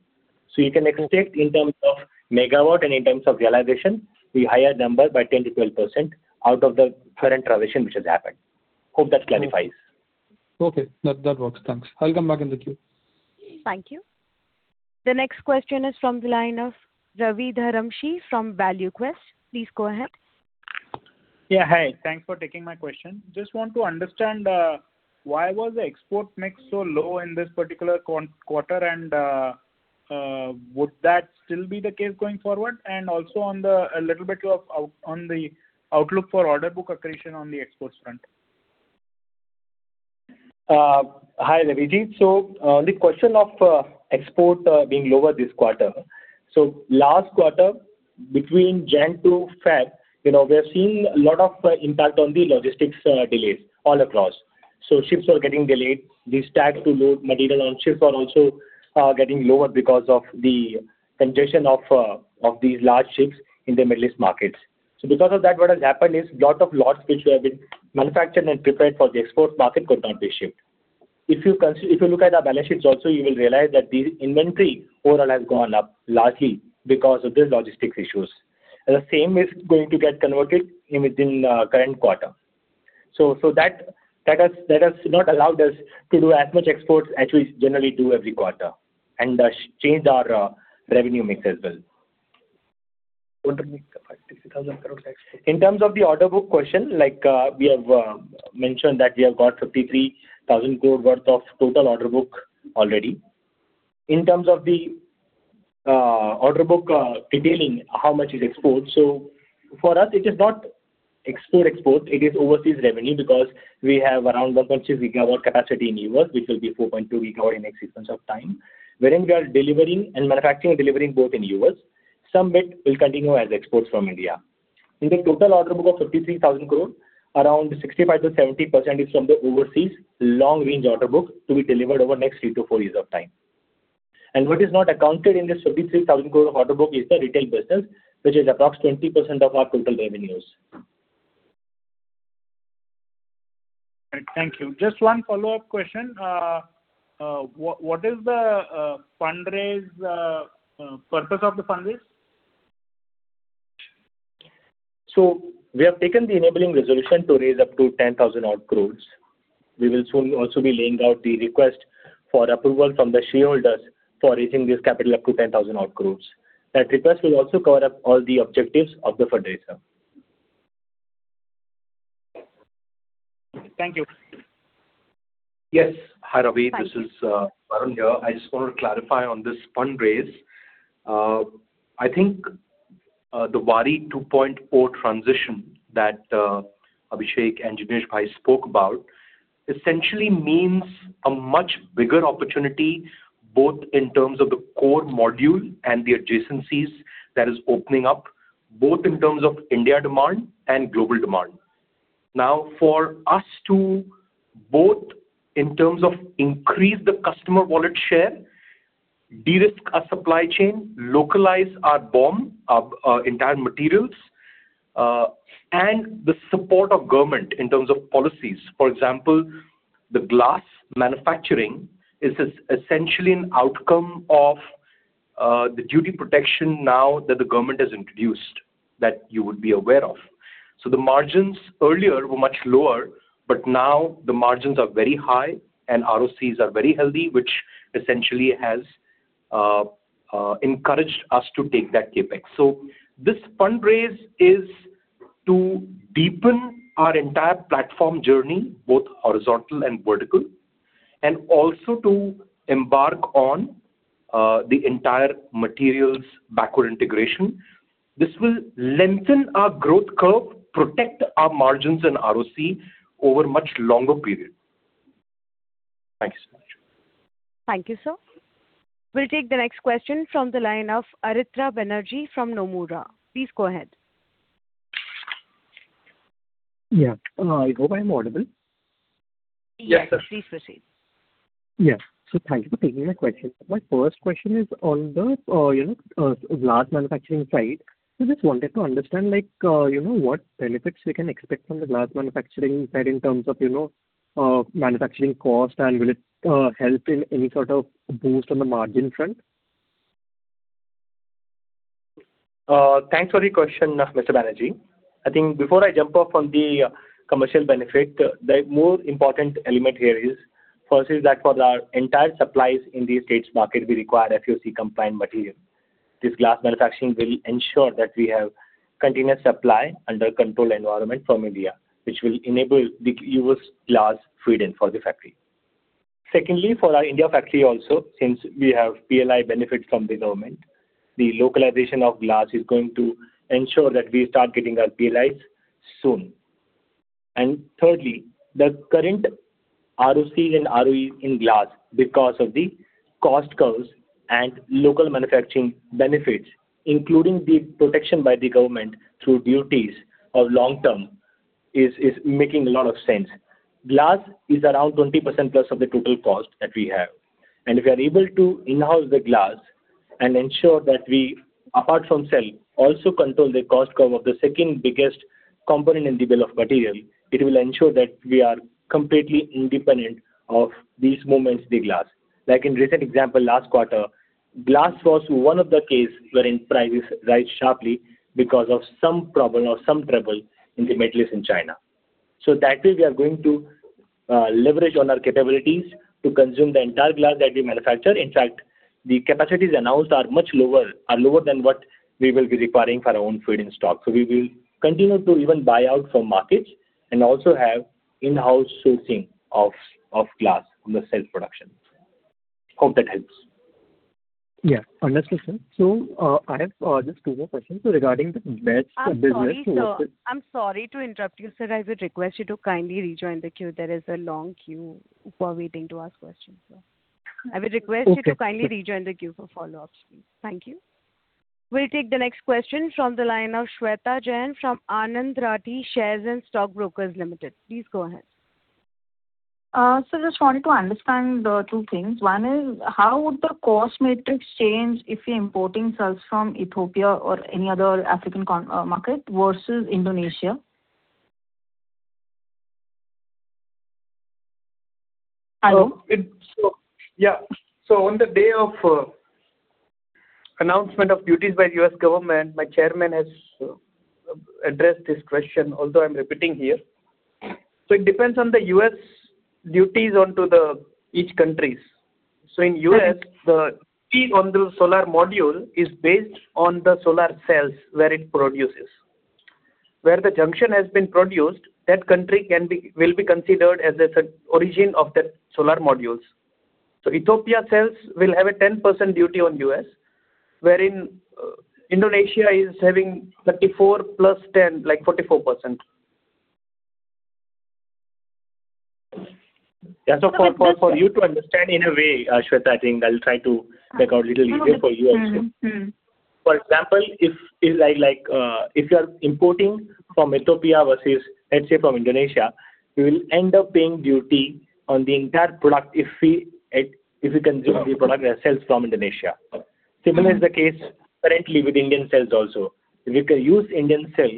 You can expect in terms of MW and in terms of realization, we higher number by 10%-12% out of the current revision which has happened. Hope that clarifies. Okay. That works. Thanks. I'll come back in the queue. Thank you. The next question is from the line of Ravi Dharamshi from ValueQuest. Please go ahead. Yeah, hi. Thanks for taking my question. Just want to understand why was the export mix so low in this particular quarter, and would that still be the case going forward? Also on the outlook for order book accretion on the export front. Hi, Ravi-ji. The question of export being lower this quarter. Last quarter between January to February, you know, we have seen a lot of impact on the logistics delays all across. Ships were getting delayed. The stack to load material on ships are also getting lower because of the congestion of these large ships in the Middle East markets. Because of that, what has happened is lot of lots which were being manufactured and prepared for the export market could not be shipped. If you look at our balance sheets also, you will realize that the inventory overall has gone up largely because of the logistics issues. The same is going to get converted within current quarter. That has not allowed us to do as much exports as we generally do every quarter and has changed our revenue mix as well. In terms of the order book question, like, we have mentioned that we have got 53,000 crore worth of total order book already. In terms of the order book detailing how much is export. For us it is not export, it is overseas revenue because we have around 1.2 GW capacity in U.S., which will be 4.2 GW in next six months of time, wherein we are delivering and manufacturing and delivering both in U.S. Some bit will continue as exports from India. In the total order book of 53,000 crore, around 65%-70% is from the overseas long range order book to be delivered over next three to four years of time. What is not accounted in this 53,000 crore order book is the retail business, which is approx 20% of our total revenues. Right. Thank you. Just one follow-up question. What is the fundraise purpose of the fundraise? We have taken the enabling resolution to raise up to 10,000-odd crores. We will soon also be laying out the request for approval from the shareholders for raising this capital up to 10,000-odd crores. That request will also cover up all the objectives of the fundraise. Thank you. Yes. Hi, Ravi. Thank you. This is Varun here. I just want to clarify on this fundraise. I think the Waaree 2.0 transition that Abhishek and Jignesh spoke about essentially means a much bigger opportunity, both in terms of the core module and the adjacencies that is opening up, both in terms of India demand and global demand. For us to both in terms of increase the customer wallet share, de-risk our supply chain, localize our BOM, entire materials, and the support of government in terms of policies. For example, the glass manufacturing is essentially an outcome of the duty protection now that the government has introduced, that you would be aware of. The margins earlier were much lower, but now the margins are very high and ROCE are very healthy, which essentially has encouraged us to take that CapEx. This fundraise is to deepen our entire platform journey, both horizontal and vertical, and also to embark on the entire materials backward integration. This will lengthen our growth curve, protect our margins and ROC over much longer period. Thank you so much. Thank you, sir. We will take the next question from the line of Aritra Banerjee from Nomura. Please go ahead. Yeah. I hope I'm audible. Yes, sir. Yeah. Please proceed. Yeah. Thank you for taking my question. My first question is on the, you know, glass manufacturing side. I just wanted to understand, like, you know, what benefits we can expect from the glass manufacturing side in terms of, you know, manufacturing cost and will it help in any sort of boost on the margin front? Thanks for the question, Mr. Banerjee. I think before I jump off on the commercial benefit, the more important element here is, first is that for our entire supplies in the U.S. market, we require FEOC compliant material. This glass manufacturing will ensure that we have continuous supply under controlled environment from India, which will enable the U.S. glass feed-in for the factory. Secondly, for our India factory also, since we have PLI benefit from the government, the localization of glass is going to ensure that we start getting our PLIs soon. Thirdly, the current ROC and ROE in glass because of the cost curves and local manufacturing benefits, including the protection by the government through duties of long term is making a lot of sense. Glass is around 20%+ of the total cost that we have. If we are able to in-house the glass and ensure that we, apart from sell, also control the cost curve of the second biggest component in bill of material, it will ensure that we are completely independent of these moments, the glass. In recent example, last quarter, glass was one of the case wherein prices rise sharply because of some problem or some trouble in the Middle East and China. That way we are going to leverage on our capabilities to consume the entire glass that we manufacture. In fact, the capacities announced are much lower, are lower than what we will be requiring for our own feed and stock. We will continue to even buy out from markets and also have in-house sourcing of glass on the sales production. Hope that helps. Yeah. Understood, sir. I have just two more questions. Regarding the BESS business- I'm sorry, sir. I'm sorry to interrupt you, sir. I would request you to kindly rejoin the queue. There is a long queue who are waiting to ask questions, sir. Okay. I would request you to kindly rejoin the queue for follow-ups, please. Thank you. We'll take the next question from the line of Sweta Jain from Anand Rathi Shares and Stock Brokers Limited. Please go ahead. Just wanted to understand two things. One is how would the cost matrix change if you are importing cells from Ethiopia or any other African market versus Indonesia? Hello? Yeah. On the day of announcement of duties by U.S. government, my chairman has addressed this question, although I'm repeating here. It depends on the U.S. duties onto the each countries. In U.S., the fee on the solar module is based on the solar cells where it produces. Where the junction has been produced, that country will be considered as the origin of the solar modules. Ethiopia cells will have a 10% duty on U.S., wherein Indonesia is having 34% + 10%, like 44%. Yeah. for you to understand in a way, Sweta, I think I'll try to make a little easier for you understand. Mm-hmm. Mm-hmm. For example, if like, if you are importing from Ethiopia versus let's say from Indonesia, we will end up paying duty on the entire product if we consume the product that sells from Indonesia. Similar is the case currently with Indian cells also. If you can use Indian cell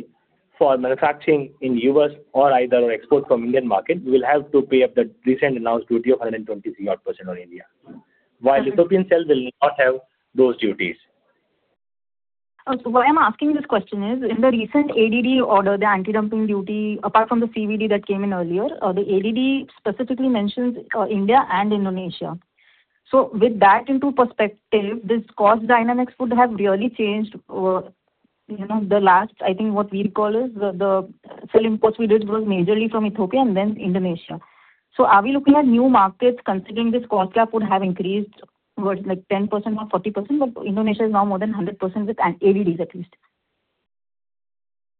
for manufacturing in U.S. or either export from Indian market, we will have to pay up the recent announced duty of 123-odd% on India. Okay. While Ethiopian cells will not have those duties. Why I'm asking this question is, in the recent ADD order, the Anti-Dumping Duty, apart from the CVD that came in earlier, the ADD specifically mentions India and Indonesia. With that into perspective, this cost dynamics would have really changed, you know, the last, I think what we'll call is the cell imports we did was majorly from Ethiopia and then Indonesia. Are we looking at new markets considering this cost cap would have increased towards like 10% or 40%? Indonesia is now more than 100% with ADDs at least.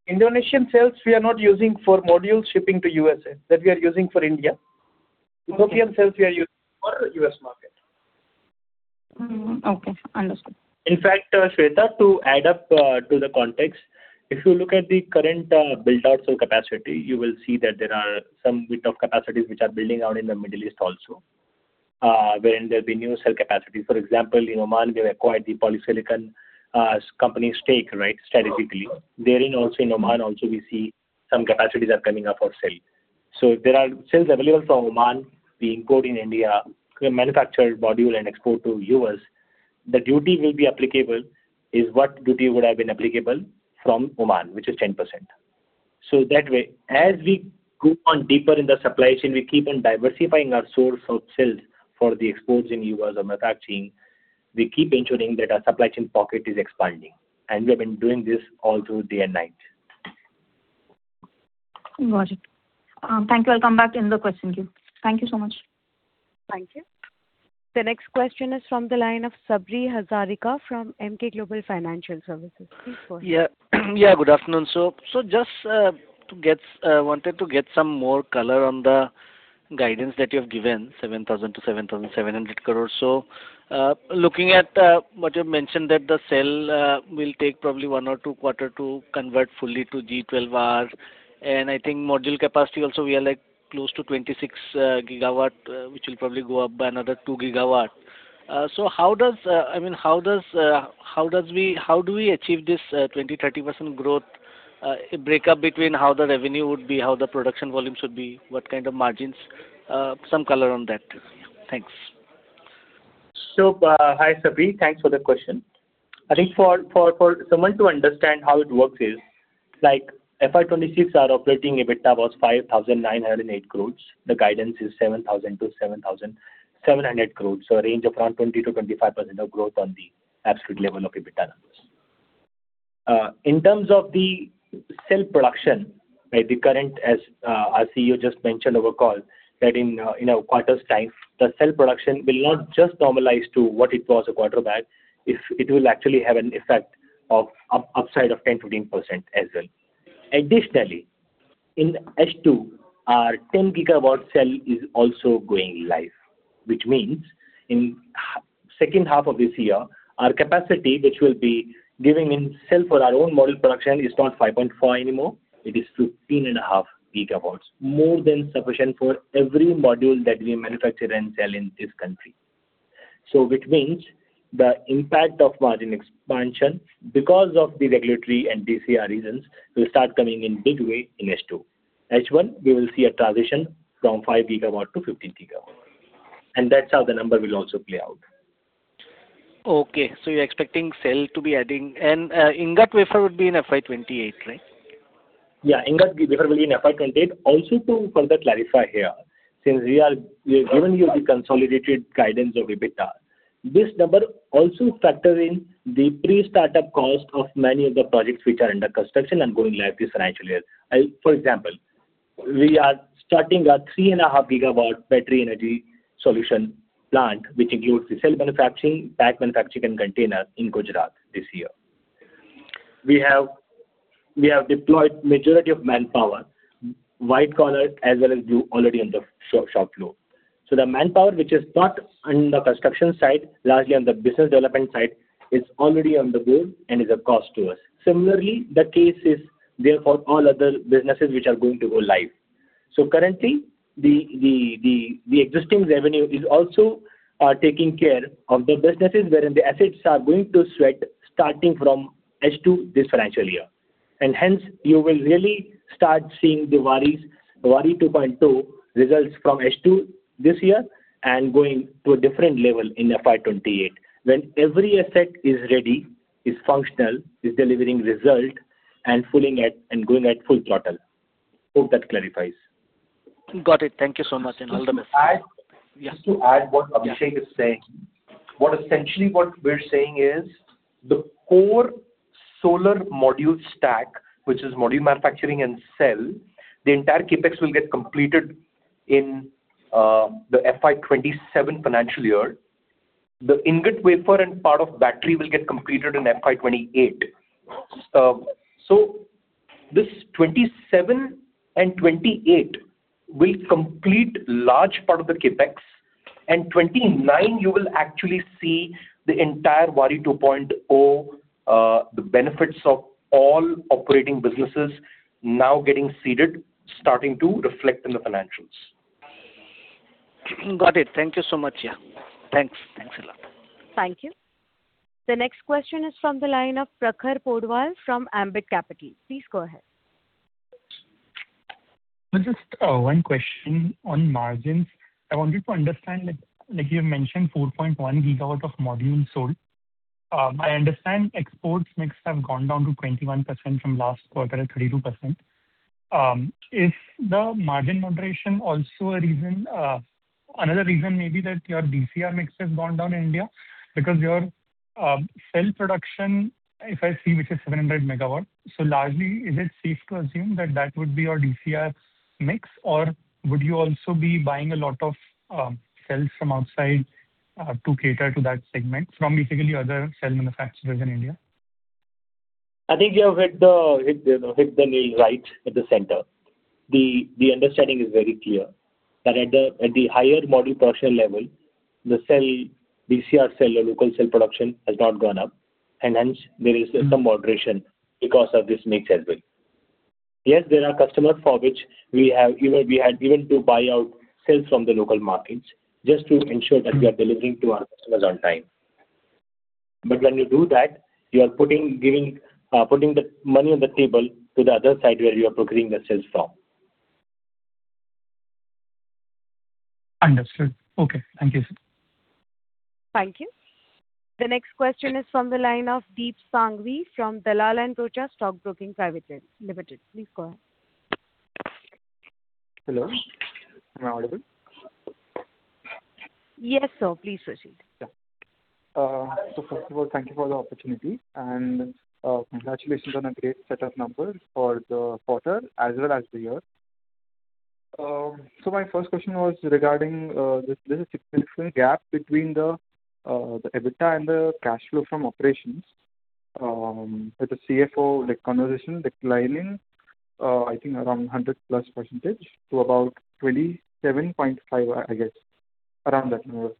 Indonesian cells we are not using for module shipping to USA. That we are using for India. Okay. Ethiopian cells we are using for U.S. market. Mm-hmm. Okay. Understood. In fact, Sweta, to add up to the context, if you look at the current build out cell capacity, you will see that there are some bit of capacities which are building out in the Middle East also, where there will be new cell capacity. For example, in Oman, they have acquired the polysilicon company stake, right, strategically. Therein also in Oman also we see some capacities are coming up for sale. If there are cells available from Oman being brought in India to manufacture module and export to U.S., the duty will be applicable is what duty would have been applicable from Oman, which is 10%. That way, as we go on deeper in the supply chain, we keep on diversifying our source of cells for the exports in U.S. or manufacturing. We keep ensuring that our supply chain pocket is expanding, and we have been doing this all through day and night. Got it. Thank you. I will come back in the question queue. Thank you so much. Thank you. The next question is from the line of Sabri Hazarika from Emkay Global Financial Services. Please go ahead. Yeah. Yeah. Good afternoon. Just wanted to get some more color on the guidance that you have given, 7,000-7,700 crore. Looking at what you've mentioned that the cell will take probably one or two quarters to convert fully to G12R. I think module capacity also we are like close to 26 GW, which will probably go up by another 2 GW. I mean, how does how do we achieve this 20%-30% growth? A breakup between how the revenue would be, how the production volume should be, what kind of margins. Some color on that. Thanks. Hi, Sabri. Thanks for the question. I think for someone to understand how it works is like FY 2026 our operating EBITDA was 5,908 crores. The guidance is 7,000-7,700 crores. A range of around 20%-25% of growth on the absolute level of EBITDA numbers. In terms of the cell production, right? The current as our CEO just mentioned over call that in a quarter's time, the cell production will not just normalize to what it was a quarter back. It will actually have an effect of upside of 10%-15% as well. Additionally, in H2, our 10 GW cell is also going live. Which means in second half of this year, our capacity, which will be giving in cell for our own module production, is not 5.4 GW anymore. It is 15.5 GW, more than sufficient for every module that we manufacture and sell in this country. Which means the impact of margin expansion, because of the regulatory and DCR reasons, will start coming in big way in H2. H1, we will see a transition from 5 GW-15 GW. That's how the number will also play out. Okay. you're expecting cell to be adding. ingot wafer would be in FY 2028, right? Yeah. Ingot wafer will be in FY 2028. Also to further clarify here, since we've given you the consolidated guidance of EBITDA. This number also factor in the pre-startup cost of many of the projects which are under construction and going live this financial year. For example, we are starting our 3.5 GW battery energy solution plant, which includes the cell manufacturing, pack manufacturing, and container in Gujarat this year. We have deployed majority of manpower, white collars as well as blue already on the shop floor. The manpower which is parked under construction site, largely on the business development site, is already on the board and is a cost to us. Similarly, the case is there for all other businesses which are going to go live. Currently the existing revenue is also taking care of the businesses wherein the assets are going to sweat starting from H2 this financial year. Hence you will really start seeing the Waaree 2.0 results from H2 this year and going to a different level in FY 2028 when every asset is ready, is functional, is delivering result, and pulling and going at full throttle. Hope that clarifies. Got it. Thank you so much. All the best. Just to add- Yeah. Just to add what Abhishek is saying. Yeah. What essentially what we're saying is the core solar module stack, which is module manufacturing and cell, the entire CapEx will get completed in the FY 2027 financial year. The ingot wafer and part of battery will get completed in FY 2028. This 2027 and 2028 will complete large part of the CapEx. 2029 you will actually see the entire Waaree 2.0, the benefits of all operating businesses now getting seeded, starting to reflect in the financials. Got it. Thank you so much. Yeah. Thanks. Thanks a lot. Thank you. The next question is from the line of Prakhar Porwal from Ambit Capital. Please go ahead. Just one question on margins. I wanted to understand, like you mentioned, 4.1 GW of module sold. I understand exports mix have gone down to 21% from last quarter at 32%. Is the margin moderation also a reason? Another reason may be that your DCR mix has gone down in India because your cell production, if I see, which is 700 MW. Is it safe to assume that that would be your DCR mix, or would you also be buying a lot of cells from outside to cater to that segment from basically other cell manufacturers in India? I think you have hit the nail right at the center. The understanding is very clear that at the higher module portion level, the cell, DCR cell or local cell production has not gone up and hence there is some moderation because of this mix as well. Yes, there are customers for which we had even to buy out cells from the local markets just to ensure that we are delivering to our customers on time. When you do that, you are putting the money on the table to the other side where you are procuring the cells from. Understood. Okay. Thank you, sir. Thank you. The next question is from the line of Deep Sanghvi from Dalal & Broacha Stock Broking Private Limited. Please go ahead. Hello, am I audible? Yes, sir. Please proceed. First of all, thank you for the opportunity and congratulations on a great set of numbers for the quarter as well as the year. My first question was regarding this, there's a significant gap between the EBITDA and the cash flow from operations, with the CFO like conversation declining, I think around 100%+ to about 27.5%, I guess, around that number.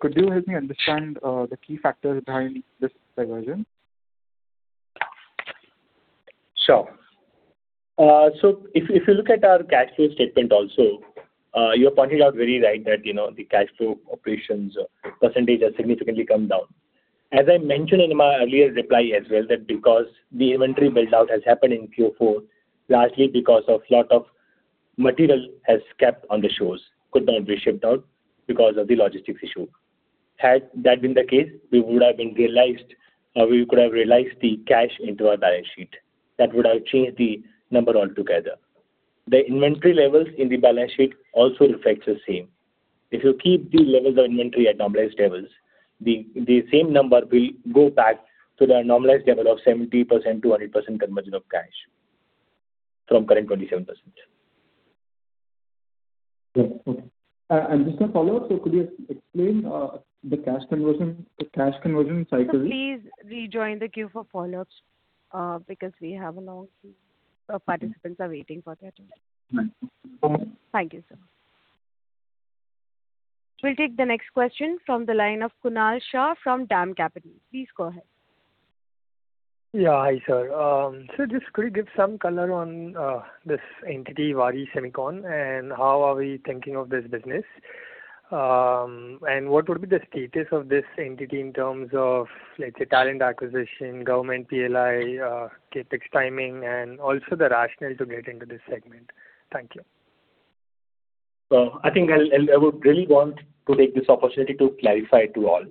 Could you help me understand the key factors behind this diversion? Sure. So if you look at our cash flow statement also, you're pointing out very right that, you know, the cash flow operations percentage has significantly come down. As I mentioned in my earlier reply as well that because the inventory build-out has happened in Q4, largely because of lot of material has kept on the shores, could not be shipped out because of the logistics issue. Had that been the case, we would have been realized, we could have realized the cash into our balance sheet. That would have changed the number altogether. The inventory levels in the balance sheet also reflects the same. If you keep the levels of inventory at normalized levels, the same number will go back to the normalized level of 70% to 100% conversion of cash from current 27%. Yeah. Okay. Just a follow-up. Could you explain the cash conversion cycle? Sir, please rejoin the queue for follow-ups, because we have a long queue. Participants are waiting for their turn. Thank you. Thank you, sir. We'll take the next question from the line of Kunal Shah from DAM Capital. Please go ahead. Yeah. Hi, sir. Just could you give some color on this entity, Waaree Semicon, and how are we thinking of this business? What would be the status of this entity in terms of, let's say, talent acquisition, government PLI, CapEx timing, and also the rationale to get into this segment? Thank you. I think I'll, and I would really want to take this opportunity to clarify to all.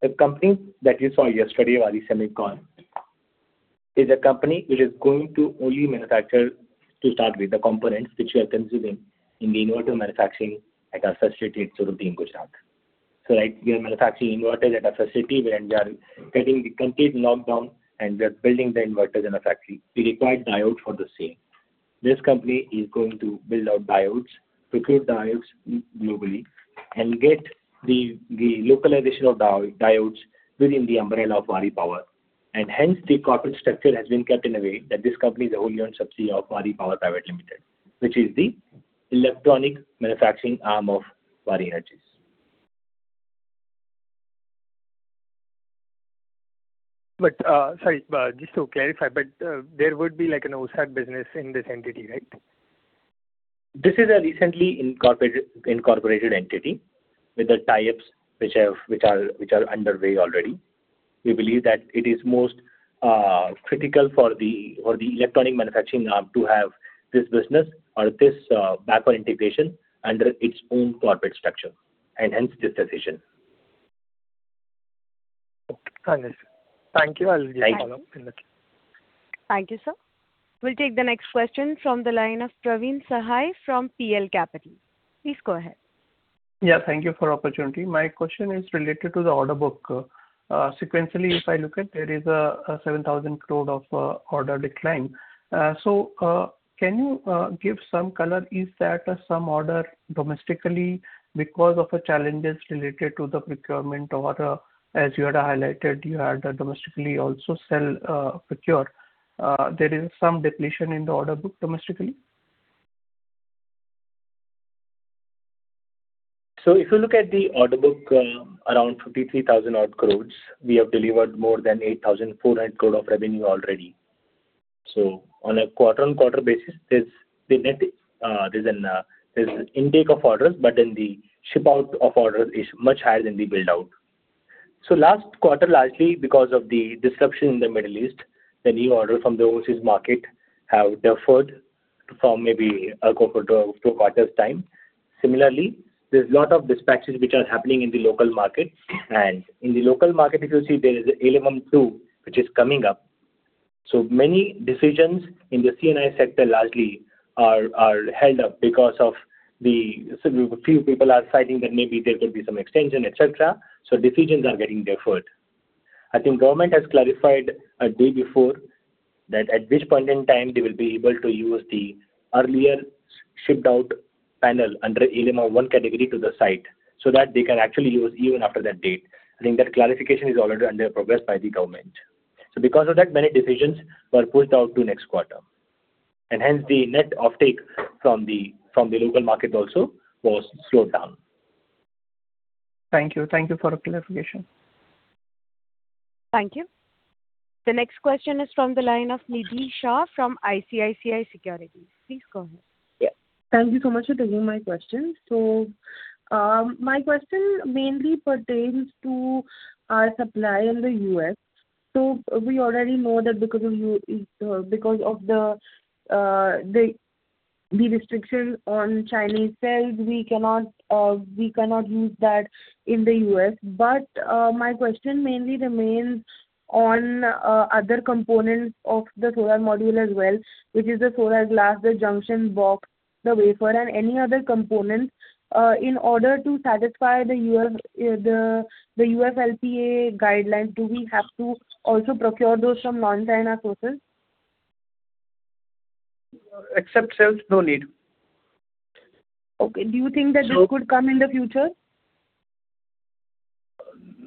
The company that you saw yesterday, Waaree Semicon, is a company which is going to only manufacture to start with the components which we are consuming in the inverter manufacturing at our facility at Surat, Gujarat. Like, we are manufacturing inverters at our facility, where we are getting the complete lockdown, and we are building the inverters in our factory. We require diode for the same. This company is going to build out diodes, procure diodes globally, and get the localization of diodes within the umbrella of Waaree Power. Hence the corporate structure has been kept in a way that this company is a wholly owned subsidiary of Waaree Power Private Limited, which is the electronic manufacturing arm of Waaree Energies. Sorry, just to clarify, but there would be like an OSAT business in this entity, right? This is a recently incorporated entity with the tie-ups which are underway already. We believe that it is most critical for the electronic manufacturing arm to have this business or this backward integration under its own corporate structure and hence this decision. Okay. Understood. Thank you. I'll give a follow-up in the queue. Thank you, sir. We'll take the next question from the line of Praveen Sahay from PL Capital. Please go ahead. Thank you for opportunity. My question is related to the order book. Sequentially, if I look at, there is 7,000 crore of order decline. Can you give some color? Is that some order domestically because of the challenges related to the procurement or, as you had highlighted, you had domestically also sell, procure. There is some depletion in the order book domestically. If you look at the order book, around 53,000-odd crores, we have delivered more than 8,400 crore of revenue already. On a quarter-on-quarter basis, there's the net, there's an, there's intake of orders, the shipout of orders is much higher than the build-out. Last quarter, largely because of the disruption in the Middle East, the new orders from the overseas market have deferred from maybe a quarter to a quarter's time. Similarly, there's a lot of dispatches which are happening in the local market. In the local market, if you see, there is ALMM 2 which is coming up. Many decisions in the C&I sector largely are held up because a few people are citing that maybe there could be some extension, et cetera, decisions are getting deferred. I think Government has clarified a day before that at which point in time they will be able to use the earlier shipped out panel under ALMM or one category to the site so that they can actually use even after that date. I think that clarification is already under progress by the Government. Because of that, many decisions were pushed out to next quarter. Hence the net offtake from the local market also was slowed down. Thank you. Thank you for the clarification. Thank you. The next question is from the line of Nidhi Shah from ICICI Securities. Please go ahead. Yeah. Thank you so much for taking my question. My question mainly pertains to our supply in the U.S. We already know that because of the restrictions on Chinese cells, we cannot use that in the U.S. My question mainly remains on other components of the solar module as well, which is the solar glass, the junction box, the wafer, and any other components. In order to satisfy the U.S. FEOC guideline, do we have to also procure those from non-China sources? Except cells, no need. Okay. Do you think that this could come in the future?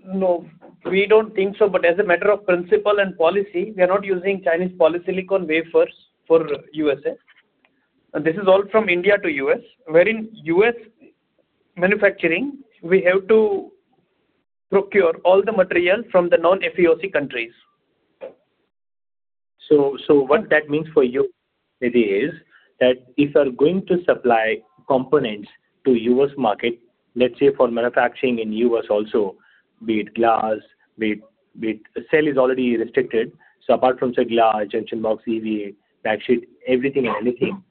No, we don't think so. As a matter of principle and policy, we are not using Chinese polysilicon wafers for USA. This is all from India to U.S., wherein U.S. manufacturing, we have to procure all the material from the non-FEOC countries. What that means for you, Nidhi, is that if you are going to supply components to U.S. market, let's say for manufacturing in U.S. also, be it glass, be it. Cell is already restricted. Apart from cell, glass, junction box, EVA, backsheet, everything and anything,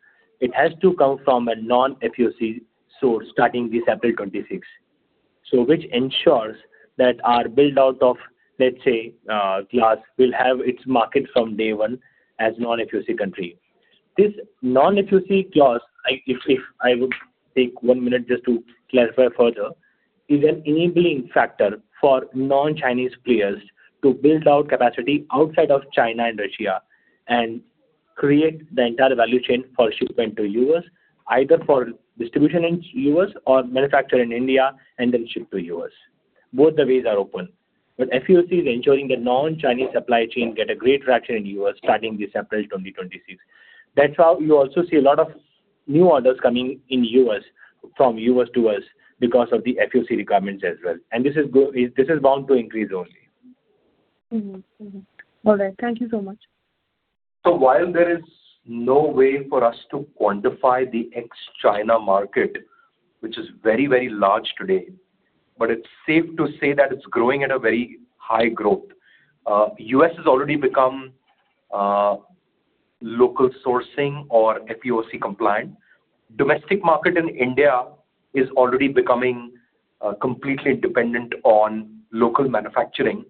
it has to come from a non-FEOC source starting this April 26th. Which ensures that our buildout of, let's say, glass will have its market from day one as non-FEOC country. This non-FEOC clause. If I would take one minute just to clarify further, is an enabling factor for non-Chinese players to build out capacity outside of China and Russia and create the entire value chain for shipment to U.S., either for distribution in U.S. or manufacture in India and then ship to U.S. Both the ways are open. FEOC is ensuring the non-Chinese supply chain get a great traction in U.S. starting this April 2026. That's how you also see a lot of new orders coming in U.S., from U.S. to us because of the FEOC requirements as well. This is bound to increase only. All right. Thank you so much. While there is no way for us to quantify the ex-China market, which is very, very large today, but it's safe to say that it's growing at a very high growth. U.S. has already become local sourcing or FEOC compliant. Domestic market in India is already becoming completely dependent on local manufacturing.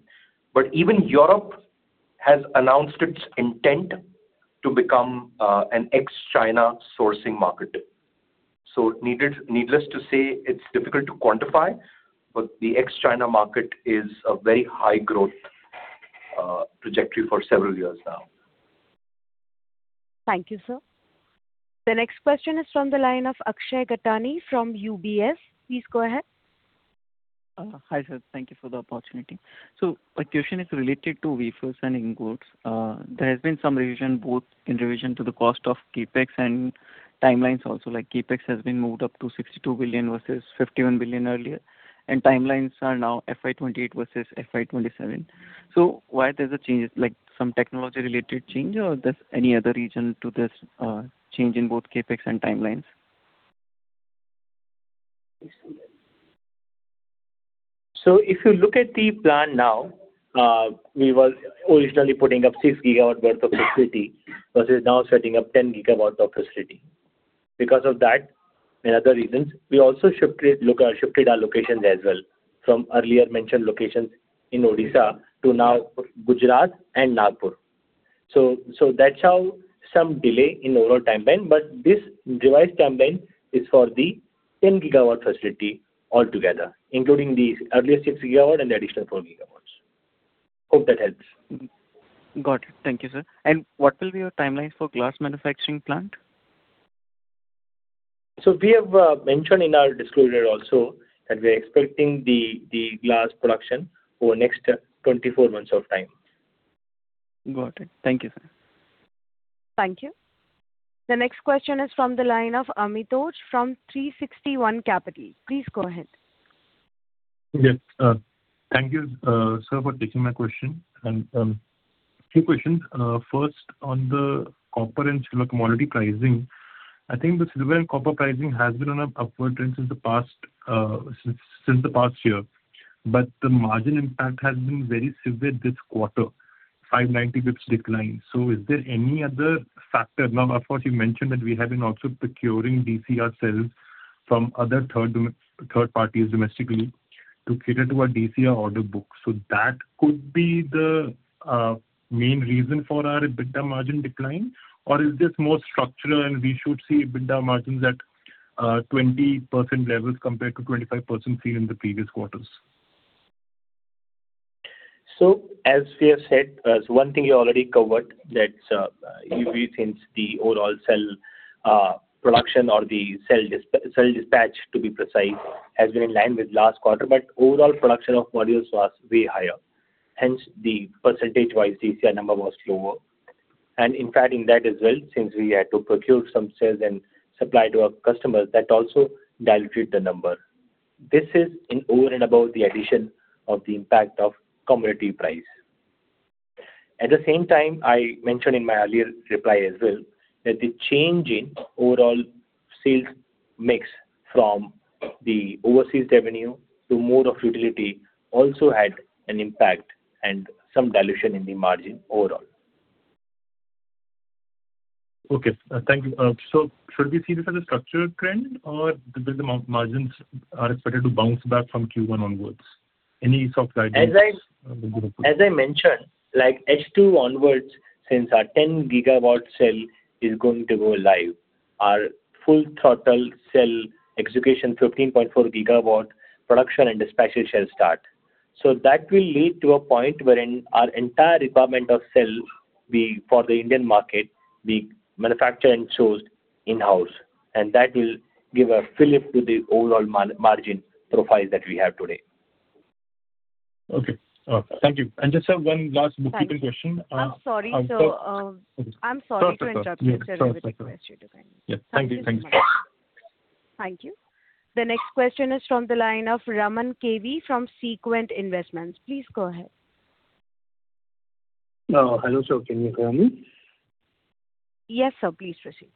Even Europe has announced its intent to become an ex-China sourcing market. Needless to say, it's difficult to quantify, but the ex-China market is a very high growth trajectory for several years now. Thank you, sir. The next question is from the line of Akshay Gattani from UBS. Please go ahead. hi, sir. Thank you for the opportunity. My question is related to wafers and ingots. There has been some revision both in revision to the cost of CapEx and timelines also. Like CapEx has been moved up to 62 billion versus 51 billion earlier, and timelines are now FY 2028 versus FY 2027. Why there's a change? Like some technology related change or there's any other reason to this change in both CapEx and timelines? If you look at the plan now, we was originally putting up 6 GW worth of facility versus now setting up 10 GW of facility. Because of that and other reasons, we also shifted our locations as well from earlier mentioned locations in Odisha to now Gujarat and Nagpur. That's how some delay in overall timeline, but this revised timeline is for the 10 GW facility altogether, including the earlier 6 GW and the additional 4 GW. Hope that helps. Got it. Thank you, sir. What will be your timelines for glass manufacturing plant? We have mentioned in our disclosure also that we're expecting the glass production over next 24 months of time. Got it. Thank you, sir. Thank you. The next question is from the line of Amitoj from 360 ONE Capital. Please go ahead. Yes. Thank you, sir, for taking my question. Two questions. First, on the copper and silicon commodity pricing. I think the silver and copper pricing has been on a upward trend since the past year. The margin impact has been very severe this quarter, 590 basis points decline. Is there any other factor? Now, of course, you mentioned that we have been also procuring DCR cells from other third parties domestically to cater to our DCR order book. That could be the main reason for our EBITDA margin decline, or is this more structural and we should see EBITDA margins at 20% levels compared to 25% seen in the previous quarters? As we have said, so one thing you already covered that, you retain the overall cell production or the cell dispatch, to be precise, has been in line with last quarter. Overall production of modules was way higher. Hence, the percentage-wise DCR number was lower. In fact, in that as well, since we had to procure some cells and supply to our customers, that also diluted the number. This is in over and above the addition of the impact of commodity price. At the same time, I mentioned in my earlier reply as well that the change in overall sales mix from the overseas revenue to more of utility also had an impact and some dilution in the margin overall. Okay. Thank you. Should we see this as a structural trend or the margins are expected to bounce back from Q1 onwards? Any sort of guidance? As I- Would be good. As I mentioned, like H2 onwards, since our 10 GW cell is going to go live, our full throttle cell execution, 15.4 GW production and dispatch shall start. That will lead to a point wherein our entire department of cell be for the Indian market be manufactured and sourced in-house, and that will give a fillip to the overall margin profile that we have today. Okay. Thank you. Just one last bookkeeping question. Thanks. I'm sorry. Okay. I'm sorry to interrupt you, sir. It's all right. Yeah, it's all right. I would request you to kindly- Yeah. Thank you. Thank you. Thank you so much. Thank you. The next question is from the line of Raman KV from Sequent Investments. Please go ahead. Hello sir, can you hear me? Yes, sir. Please proceed.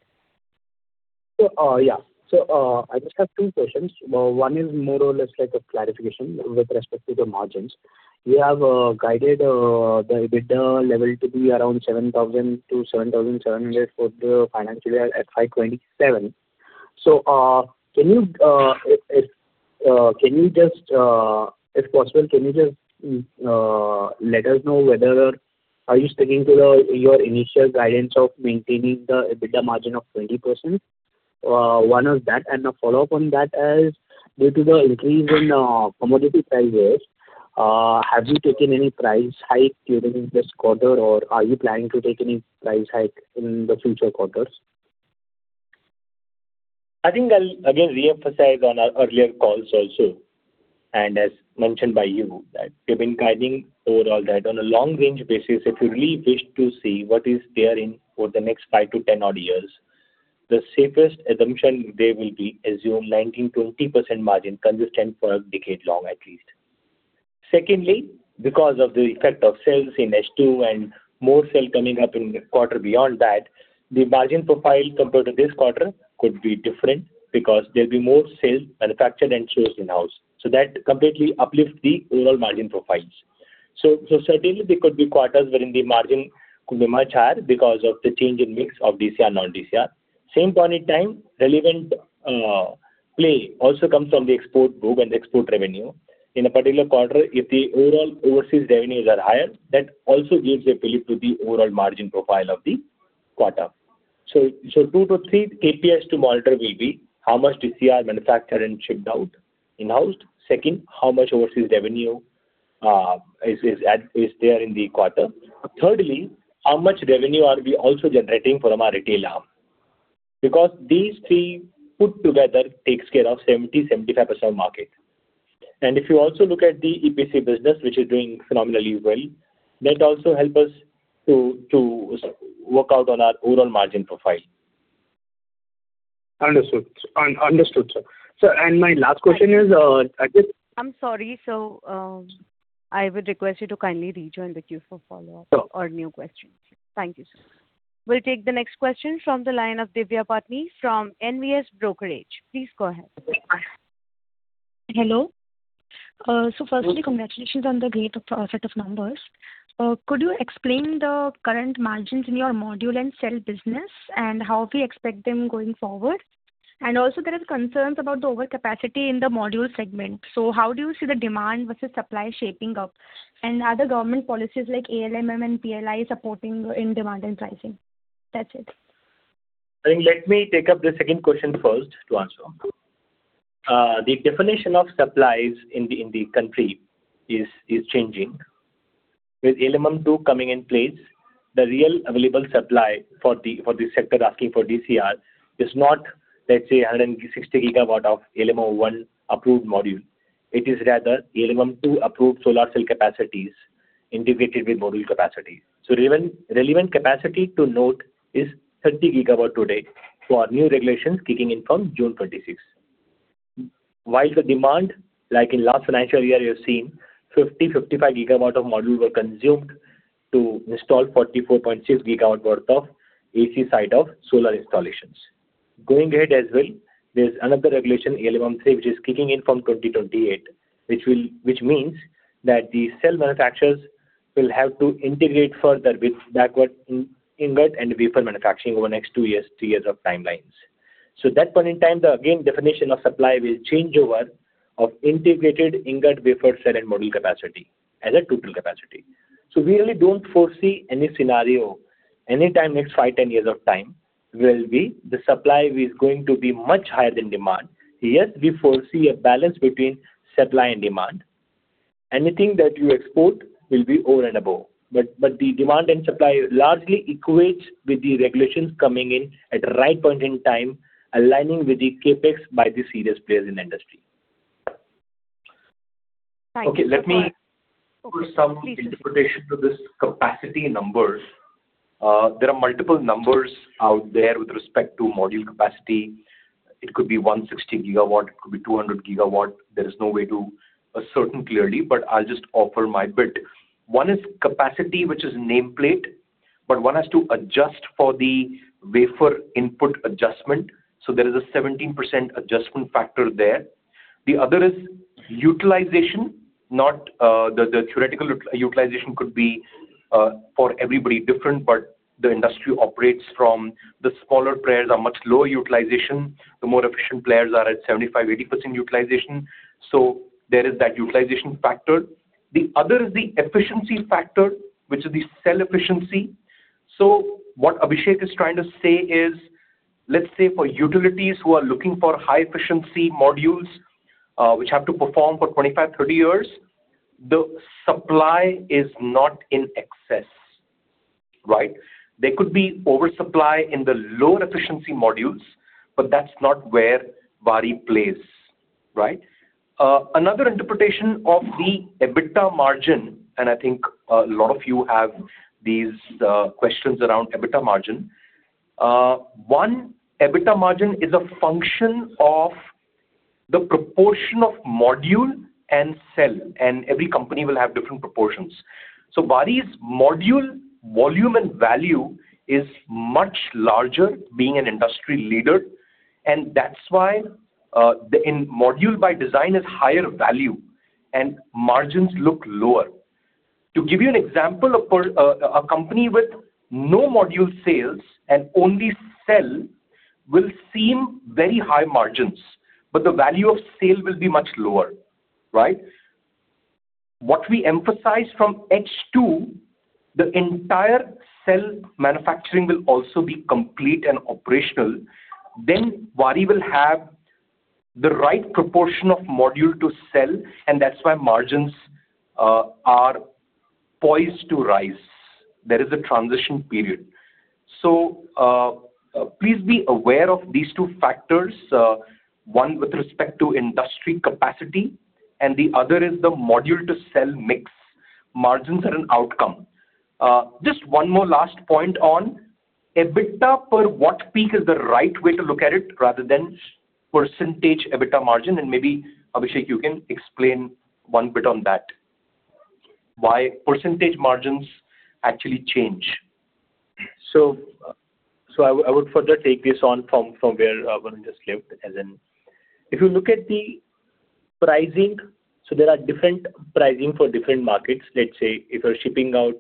I just have two questions. One is more or less like a clarification with respect to the margins. You have guided the EBITDA level to be around INR 7,000-INR 7,700 for the financial year at FY 2027. Can you, if possible, let us know whether are you sticking to the, your initial guidance of maintaining the EBITDA margin of 20%? One is that. A follow-up on that is, due to the increase in commodity prices, have you taken any price hike during this quarter, or are you planning to take any price hike in the future quarters? I think I'll again reemphasize on our earlier calls also, and as mentioned by you, that we've been guiding overall that on a long-range basis, if you really wish to see what is there in for the next five to 10-odd years, the safest assumption there will be assume 19%-20% margin consistent for a decade long at least. Secondly, because of the effect of cells in H2 and more cell coming up in the quarter beyond that, the margin profile compared to this quarter could be different because there'll be more cells manufactured and sourced in-house. That completely uplifts the overall margin profiles. Certainly there could be quarters wherein the margin could be much higher because of the change in mix of DCR, non-DCR. Same point in time, relevant play also comes from the export book and export revenue. In a particular quarter, if the overall overseas revenues are higher, that also gives a fillip to the overall margin profile of the quarter. Two to three KPIs to monitor will be how much DCR manufactured and shipped out in-house. Second, how much overseas revenue is there in the quarter. Thirdly, how much revenue are we also generating from our retailer. These three put together takes care of 70%-75% market. If you also look at the EPC business, which is doing phenomenally well, that also help us to work out on our overall margin profile. Understood. Understood, sir. Sir, my last question is. I'm sorry. I would request you to kindly rejoin the queue for follow-up. Sure. or new questions. Thank you, sir. We will take the next question from the line of Divya Patni from NVS Brokerage. Please go ahead. Hello. Firstly, congratulations on the great set of numbers. Could you explain the current margins in your module and cell business and how we expect them going forward? There is concerns about the overcapacity in the module segment. How do you see the demand versus supply shaping up? Are the government policies like ALMM and PLI supporting in demand and pricing? That's it. I think let me take up the second question first to answer. The definition of supplies in the country is changing. With ALMM 2 coming in place, the real available supply for the sector asking for DCR is not, let's say, 160 GW of ALMM 1 approved module. It is rather ALMM 2 approved solar cell capacities integrated with module capacity. Relevant capacity to note is 30 GW to date for new regulations kicking in from June 26. While the demand, like in last financial year, you have seen 50 GW-55 GW of module were consumed to install 44.6 GW worth of AC side of solar installations. Going ahead as well, there's another regulation ALMM 3 which is kicking in from 2028, which will Which means that the cell manufacturers will have to integrate further with backward ingot and wafer manufacturing over the next two years, three years of timelines. That point in time, the, again, definition of supply will change over of integrated ingot, wafer, cell, and module capacity as a total capacity. We really don't foresee any scenario anytime next five, 10 years of time will be the supply is going to be much higher than demand. Yes, we foresee a balance between supply and demand. Anything that you export will be over and above, but the demand and supply largely equates with the regulations coming in at the right point in time, aligning with the CapEx by the serious players in the industry. Thanks. Okay, let me put some interpretation to this capacity numbers. There are multiple numbers out there with respect to module capacity. It could be 160 GW, it could be 200 GW. There is no way to ascertain clearly, but I'll just offer my bit. One is capacity, which is nameplate, but one has to adjust for the wafer input adjustment, so there is a 17% adjustment factor there. The other is utilization, not, the theoretical utilization could be for everybody different, but the industry operates from the smaller players are much lower utilization. The more efficient players are at 75%, 80% utilization. There is that utilization factor. The other is the efficiency factor, which is the cell efficiency. What Abhishek is trying to say is, let's say for utilities who are looking for high efficiency modules, which have to perform for 25, 30 years, the supply is not in excess, right? There could be oversupply in the lower efficiency modules, but that's not where Waaree plays, right? Another interpretation of the EBITDA margin, and I think a lot of you have these questions around EBITDA margin. One, EBITDA margin is a function of the proportion of module and cell, and every company will have different proportions. Waaree's module volume and value is much larger being an industry leader, and that's why the module by design is higher value and margins look lower. To give you an example, a company with no module sales and only cell will seem very high margins, but the value of sale will be much lower, right? What we emphasize from edge to the entire cell manufacturing will also be complete and operational. Waaree will have the right proportion of module to sell, and that's why margins are poised to rise. There is a transition period. Please be aware of these two factors, one with respect to industry capacity and the other is the module to sell mix. Margins are an outcome. Just one more last point on EBITDA per watt peak is the right way to look at it rather than percentage EBITDA margin, and maybe, Abhishek, you can explain a bit on that, why percentage margins actually change. I would further take this on from where Varun just left. As in, if you look at the pricing, there are different pricing for different markets. Let's say if you're shipping out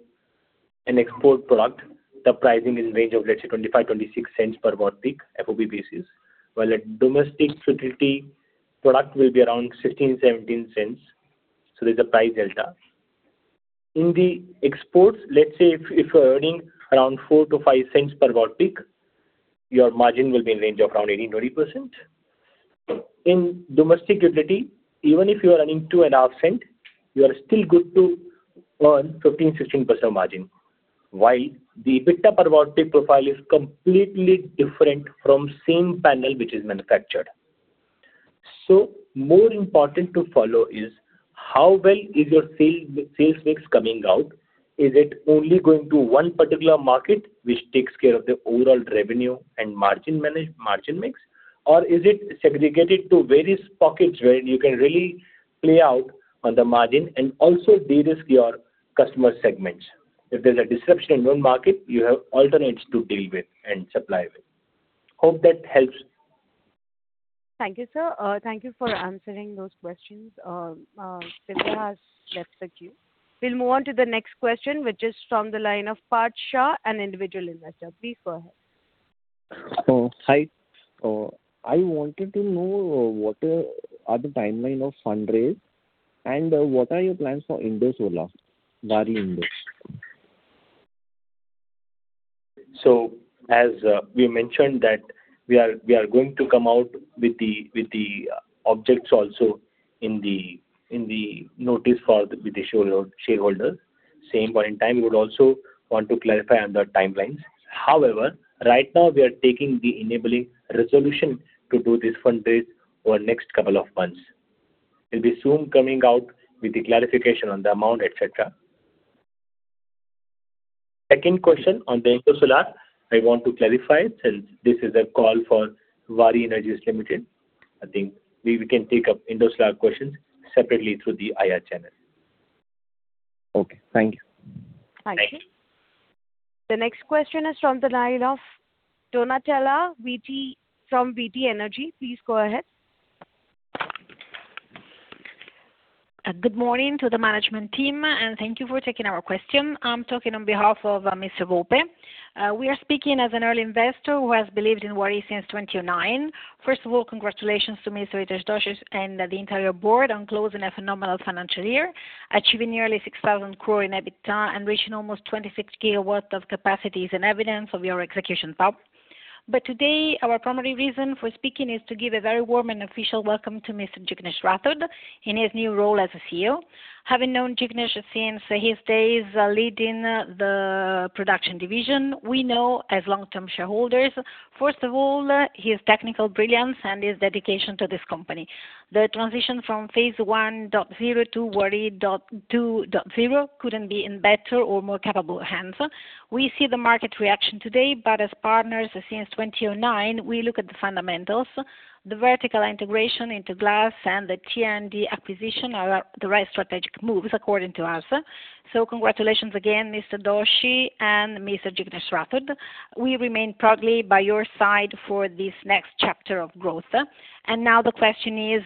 an export product, the pricing is range of let's say 0.25-0.26 per watt peak FOB basis. A domestic utility product will be around 0.16-0.17, so there's a price delta. In the exports, let's say if you're earning around 0.04-0.05 per watt peak, your margin will be in range of around 80%-90%. In domestic utility, even if you are earning INR 0.025, you are still good to earn 15%-16% margin. The EBITDA per watt peak profile is completely different from same panel which is manufactured. More important to follow is how well is your sales mix coming out. Is it only going to one particular market which takes care of the overall revenue and margin mix, or is it segregated to various pockets where you can really play out on the margin and also de-risk your customer segments? If there's a disruption in one market, you have alternates to deal with and supply with. Hope that helps. Thank you, sir. Thank you for answering those questions. Sidra has left the queue. We'll move on to the next question, which is from the line of Parth Shah, an Individual Investor. Please go ahead. Oh, hi. I wanted to know what are the timeline of fundraise, and what are your plans for Indosolar [WAAREEENER.NS]? As we mentioned that we are going to come out with the objects also in the notice with the shareholder. Same point in time, we would also want to clarify on the timelines. Right now we are taking the enabling resolution to do this fundraise over next couple of months. We'll be soon coming out with the clarification on the amount, et cetera. Second question on the Indosolar, I want to clarify since this is a call for Waaree Energies Limited. I think we can take up Indosolar questions separately through the IR channel. Okay, thank you. Thank you. Thank you. The next question is from the line of Donatella Viti from VT Energy. Please go ahead. Good morning to the management team, and thank you for taking our question. I'm talking on behalf of Mr. Volpe. We are speaking as an early investor who has believed in Waaree since 2009. First of all, congratulations to Mr. Hitesh Doshi and the entire board on closing a phenomenal financial year, achieving nearly 6,000 crore in EBITDA and reaching almost 26 GW of capacities and evidence of your execution power. Today, our primary reason for speaking is to give a very warm and official welcome to Mr. Jignesh Rathod in his new role as the CEO. Having known Jignesh since his days leading the production division, we know as long-term shareholders, first of all, his technical brilliance and his dedication to this company. The transition from Waaree 1.0 to Waaree 2.0 couldn't be in better or more capable hands. We see the market reaction today, as partners since 2009, we look at the fundamentals. The vertical integration into glass and the T&D acquisition are the right strategic moves according to us. Congratulations again, Mr. Doshi and Mr. Jignesh Rathod. We remain proudly by your side for this next chapter of growth. Now the question is,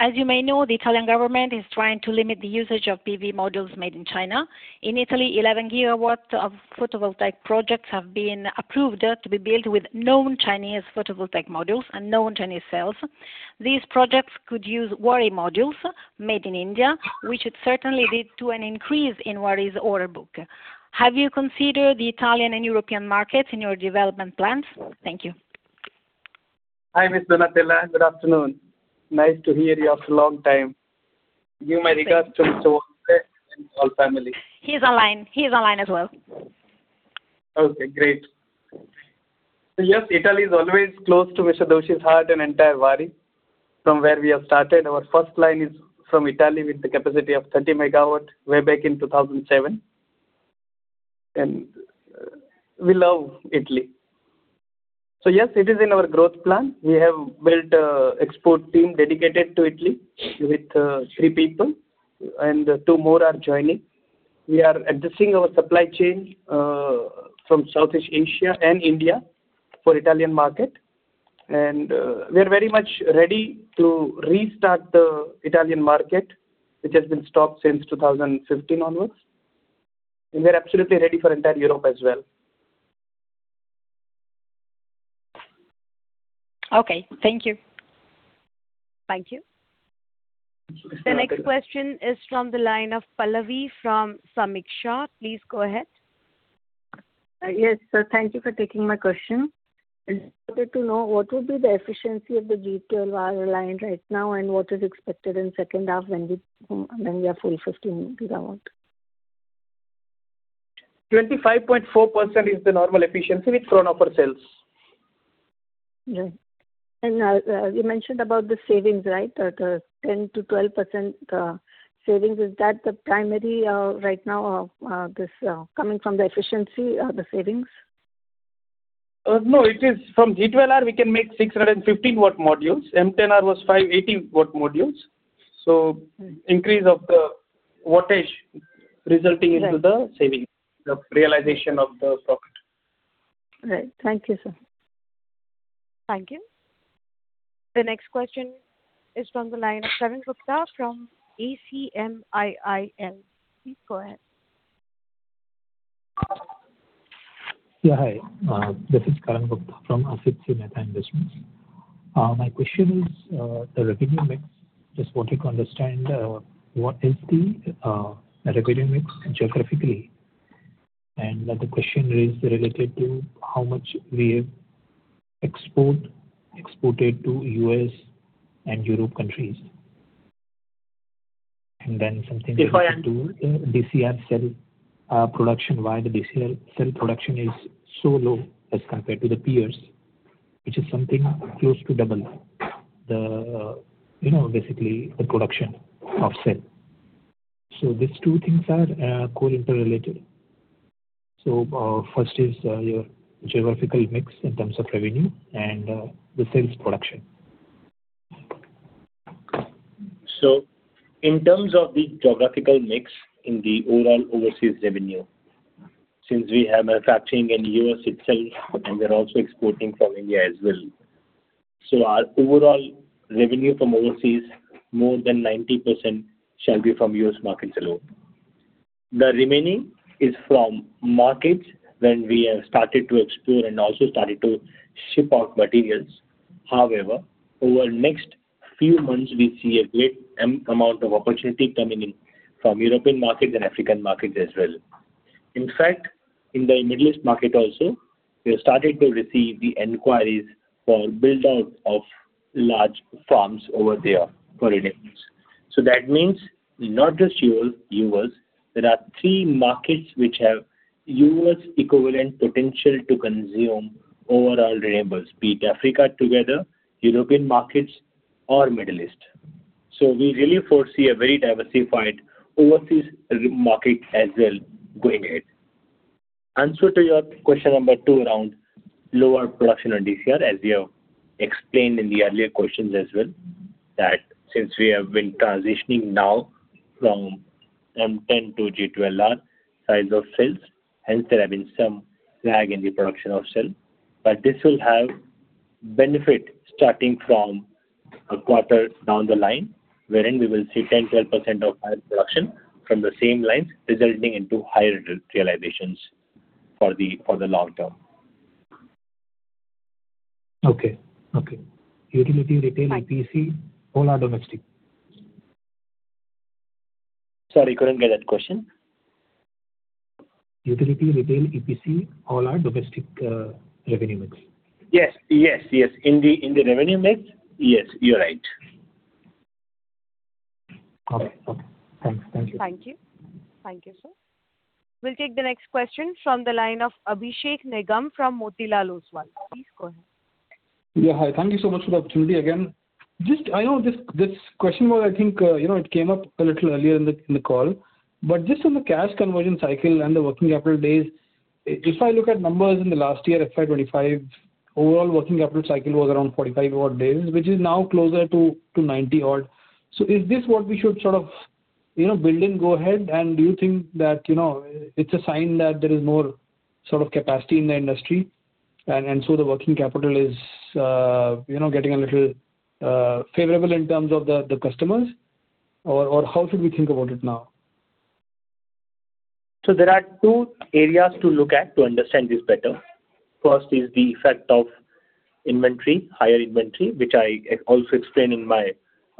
as you may know, the Italian government is trying to limit the usage of PV modules made in China. In Italy, 11 GW of photovoltaic projects have been approved to be built with known Chinese photovoltaic modules and known Chinese cells. These projects could use Waaree modules made in India, which would certainly lead to an increase in Waaree's order book. Have you considered the Italian and European markets in your development plans? Thank you. Hi, Ms. Donatella. Good afternoon. Nice to hear you after a long time. Thank you. Give my regards to Mr. Volpe and all family. He's online. He's online as well. Okay, great. Yes, Italy is always close to Mr. Doshi's heart and entire Waaree. From where we have started, our first line is from Italy with the capacity of 30 MW way back in 2007. We love Italy. Yes, it is in our growth plan. We have built a export team dedicated to Italy with three people, and two more are joining. We are adjusting our supply chain from Southeast Asia and India for Italian market. We're very much ready to restart the Italian market, which has been stopped since 2015 onwards. We're absolutely ready for entire Europe as well. Okay. Thank you. Thank you. Yes, thank you. The next question is from the line of Pallavi from Sameeksha. Please go ahead. Yes, sir. Thank you for taking my question. I wanted to know what would be the efficiency of the G12 wire line right now, and what is expected in second half when we are full 15 GW? 25.4% is the normal efficiency with perovskite cells. Yeah. You mentioned about the savings, right? The 10%-12% savings, is that the primary right now this coming from the efficiency, the savings? No, it is from G12R, we can make 615 W modules. M10R was 580 W modules. Increase of the wattage resulting into the savings, the realization of the profit. Right. Thank you, sir. Thank you. The next question is from the line of Karan Gupta from ACMIIL. Please go ahead. Yeah, hi. This is Karan Gupta from Asit C Mehta Investment. My question is, the revenue mix. Just wanted to understand, what is the revenue mix geographically. The other question is related to how much we have exported to U.S. and Europe countries. Then something related to. If I un- DCR cell production. Why the DCR cell production is so low as compared to the peers, which is something close to double the, you know, basically the production of cell? These two things are core interrelated. First is your geographical mix in terms of revenue and the sales production. In terms of the geographical mix in the overall overseas revenue, since we have a factory in U.S. itself, and we're also exporting from India as well. Our overall revenue from overseas, more than 90% shall be from U.S. markets alone. The remaining is from markets when we have started to explore and also started to ship out materials. However, over next few months, we see a great amount of opportunity coming in from European markets and African markets as well. In fact, in the Middle East market also, we have started to receive the inquiries for build out of large farms over there for renewables. That means not just U.S., there are three markets which have U.S. equivalent potential to consume overall renewables, be it Africa together, European markets or Middle East. We really foresee a very diversified overseas market as well going ahead. Answer to your question number two around lower production on DCR, as we have explained in the earlier questions as well, that since we have been transitioning now from M10 to G12R size of cells, hence there have been some lag in the production of cell. This will have benefit starting from a quarter down the line, wherein we will see 10%-12% of higher production from the same lines, resulting into higher re-realizations for the long term. Okay. Okay. Utility, retail, EPC, all are domestic. Sorry, couldn't get that question. Utility, retail, EPC, all are domestic, revenue mix. Yes. Yes, yes. In the, in the revenue mix, yes, you're right. Okay. Okay. Thanks. Thank you. Thank you. Thank you, sir. We'll take the next question from the line of Abhishek Nigam from Motilal Oswal. Please go ahead. Yeah. Hi. Thank you so much for the opportunity again. Just, I know this question was, I think, you know, it came up a little earlier in the call. Just on the cash conversion cycle and the working capital days, if I look at numbers in the last year, FY 2025, overall working capital cycle was around 45-odd days, which is now closer to 90-odd. Is this what we should sort of, you know, build and go ahead? Do you think that, you know, it's a sign that there is more sort of capacity in the industry and so the working capital is, you know, getting a little favorable in terms of the customers or how should we think about it now? There are two areas to look at to understand this better. First is the effect of inventory, higher inventory, which I also explained in my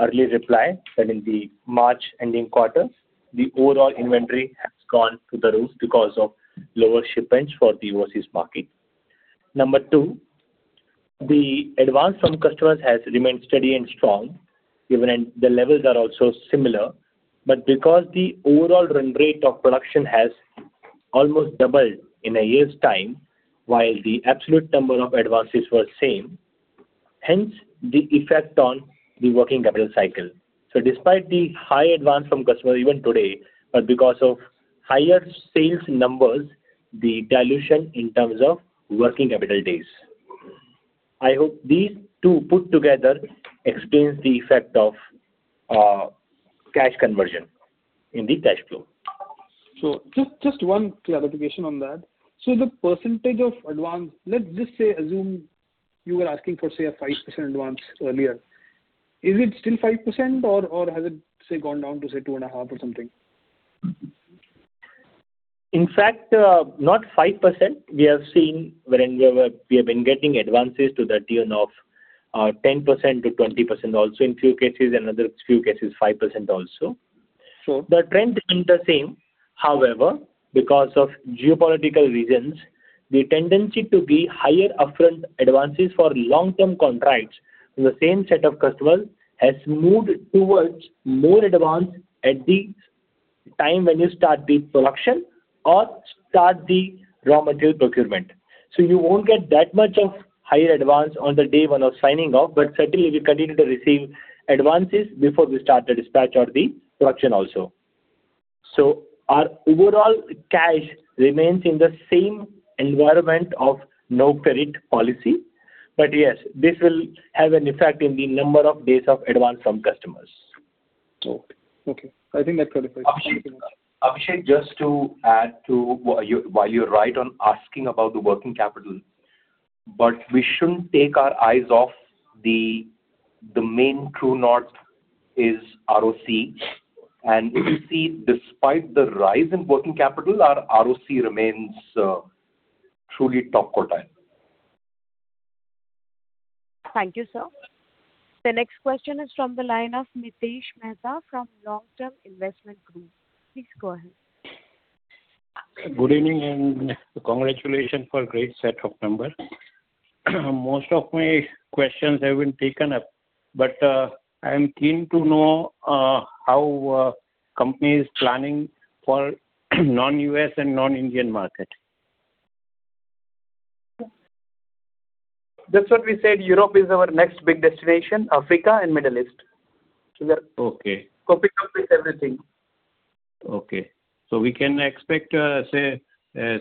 earlier reply that in the March ending quarter, the overall inventory has gone through the roof because of lower shipments for the overseas market. Number two, the advance from customers has remained steady and strong, given the levels are also similar. Because the overall run rate of production has almost doubled in a year's time, while the absolute number of advances were same, hence the effect on the working capital cycle. Despite the high advance from customer even today, because of higher sales numbers, the dilution in terms of working capital days. I hope these two put together explains the effect of cash conversion in the cash flow. Just one clarification on that. The percentage of advance, let's just say assume you were asking for, say, a 5% advance earlier. Is it still 5% or has it, say, gone down to, say, 2.5% or something? In fact, not 5%. We have seen wherein we have been getting advances to the tune of 10%-20% also in few cases, and other few cases 5% also. Sure. The trend remains the same. However, because of geopolitical reasons, the tendency to give higher upfront advances for long-term contracts in the same set of customers has moved towards more advance at the time when you start the production or start the raw material procurement. You won't get that much of higher advance on the day one of signing off, but certainly we continue to receive advances before we start the dispatch or the production also. Our overall cash remains in the same environment of no credit policy. Yes, this will have an effect in the number of days of advance from customers. Okay. Okay. I think that clarifies. Thank you very much. Abhishek, just to add to what you're right on asking about the working capital, but we shouldn't take our eyes off the main true north is ROC. If you see, despite the rise in working capital, our ROC remains truly top quartile. Thank you, sir. The next question is from the line of Mitesh Mehta from Long Term Investment Group. Please go ahead. Good evening. Congratulations for great set of numbers. Most of my questions have been taken up. I am keen to know how company is planning for non-U.S. and non-Indian market. That's what we said. Europe is our next big destination, Africa and Middle East. Okay. Covering up with everything. Okay. We can expect, say,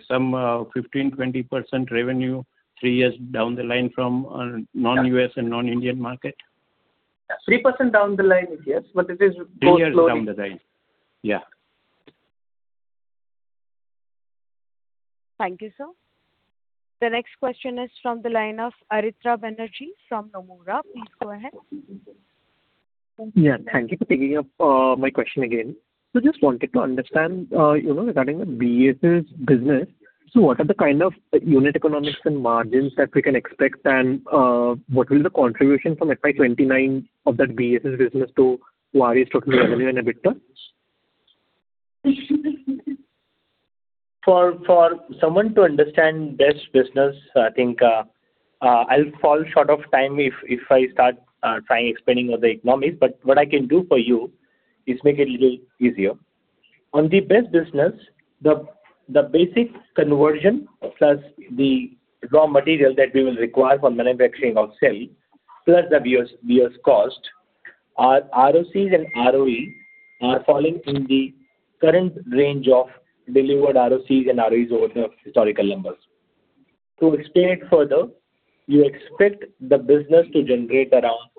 some, 15%, 20% revenue three years down the line from, non-U.S. and non-Indian market? Yeah. 3% down the line is yes, but it is both loading. Three years down the line. Yeah. Thank you, sir. The next question is from the line of Aritra Banerjee from Nomura. Please go ahead. Yeah, thank you for taking up my question again. Just wanted to understand, you know, regarding the BESS business. What are the kind of unit economics and margins that we can expect? What will the contribution from FY 2029 of that BESS business to Waaree's total revenue and EBITDA? For someone to understand BESS business, I think, I'll fall short of time if I start trying explaining all the economics. What I can do for you is make it a little easier. On the BESS business, the basic conversion plus the raw material that we will require for manufacturing of cell, plus the BESS cost. Our ROCs and ROE are falling in the current range of delivered ROCs and ROEs over the historical numbers. To explain it further, you expect the business to generate around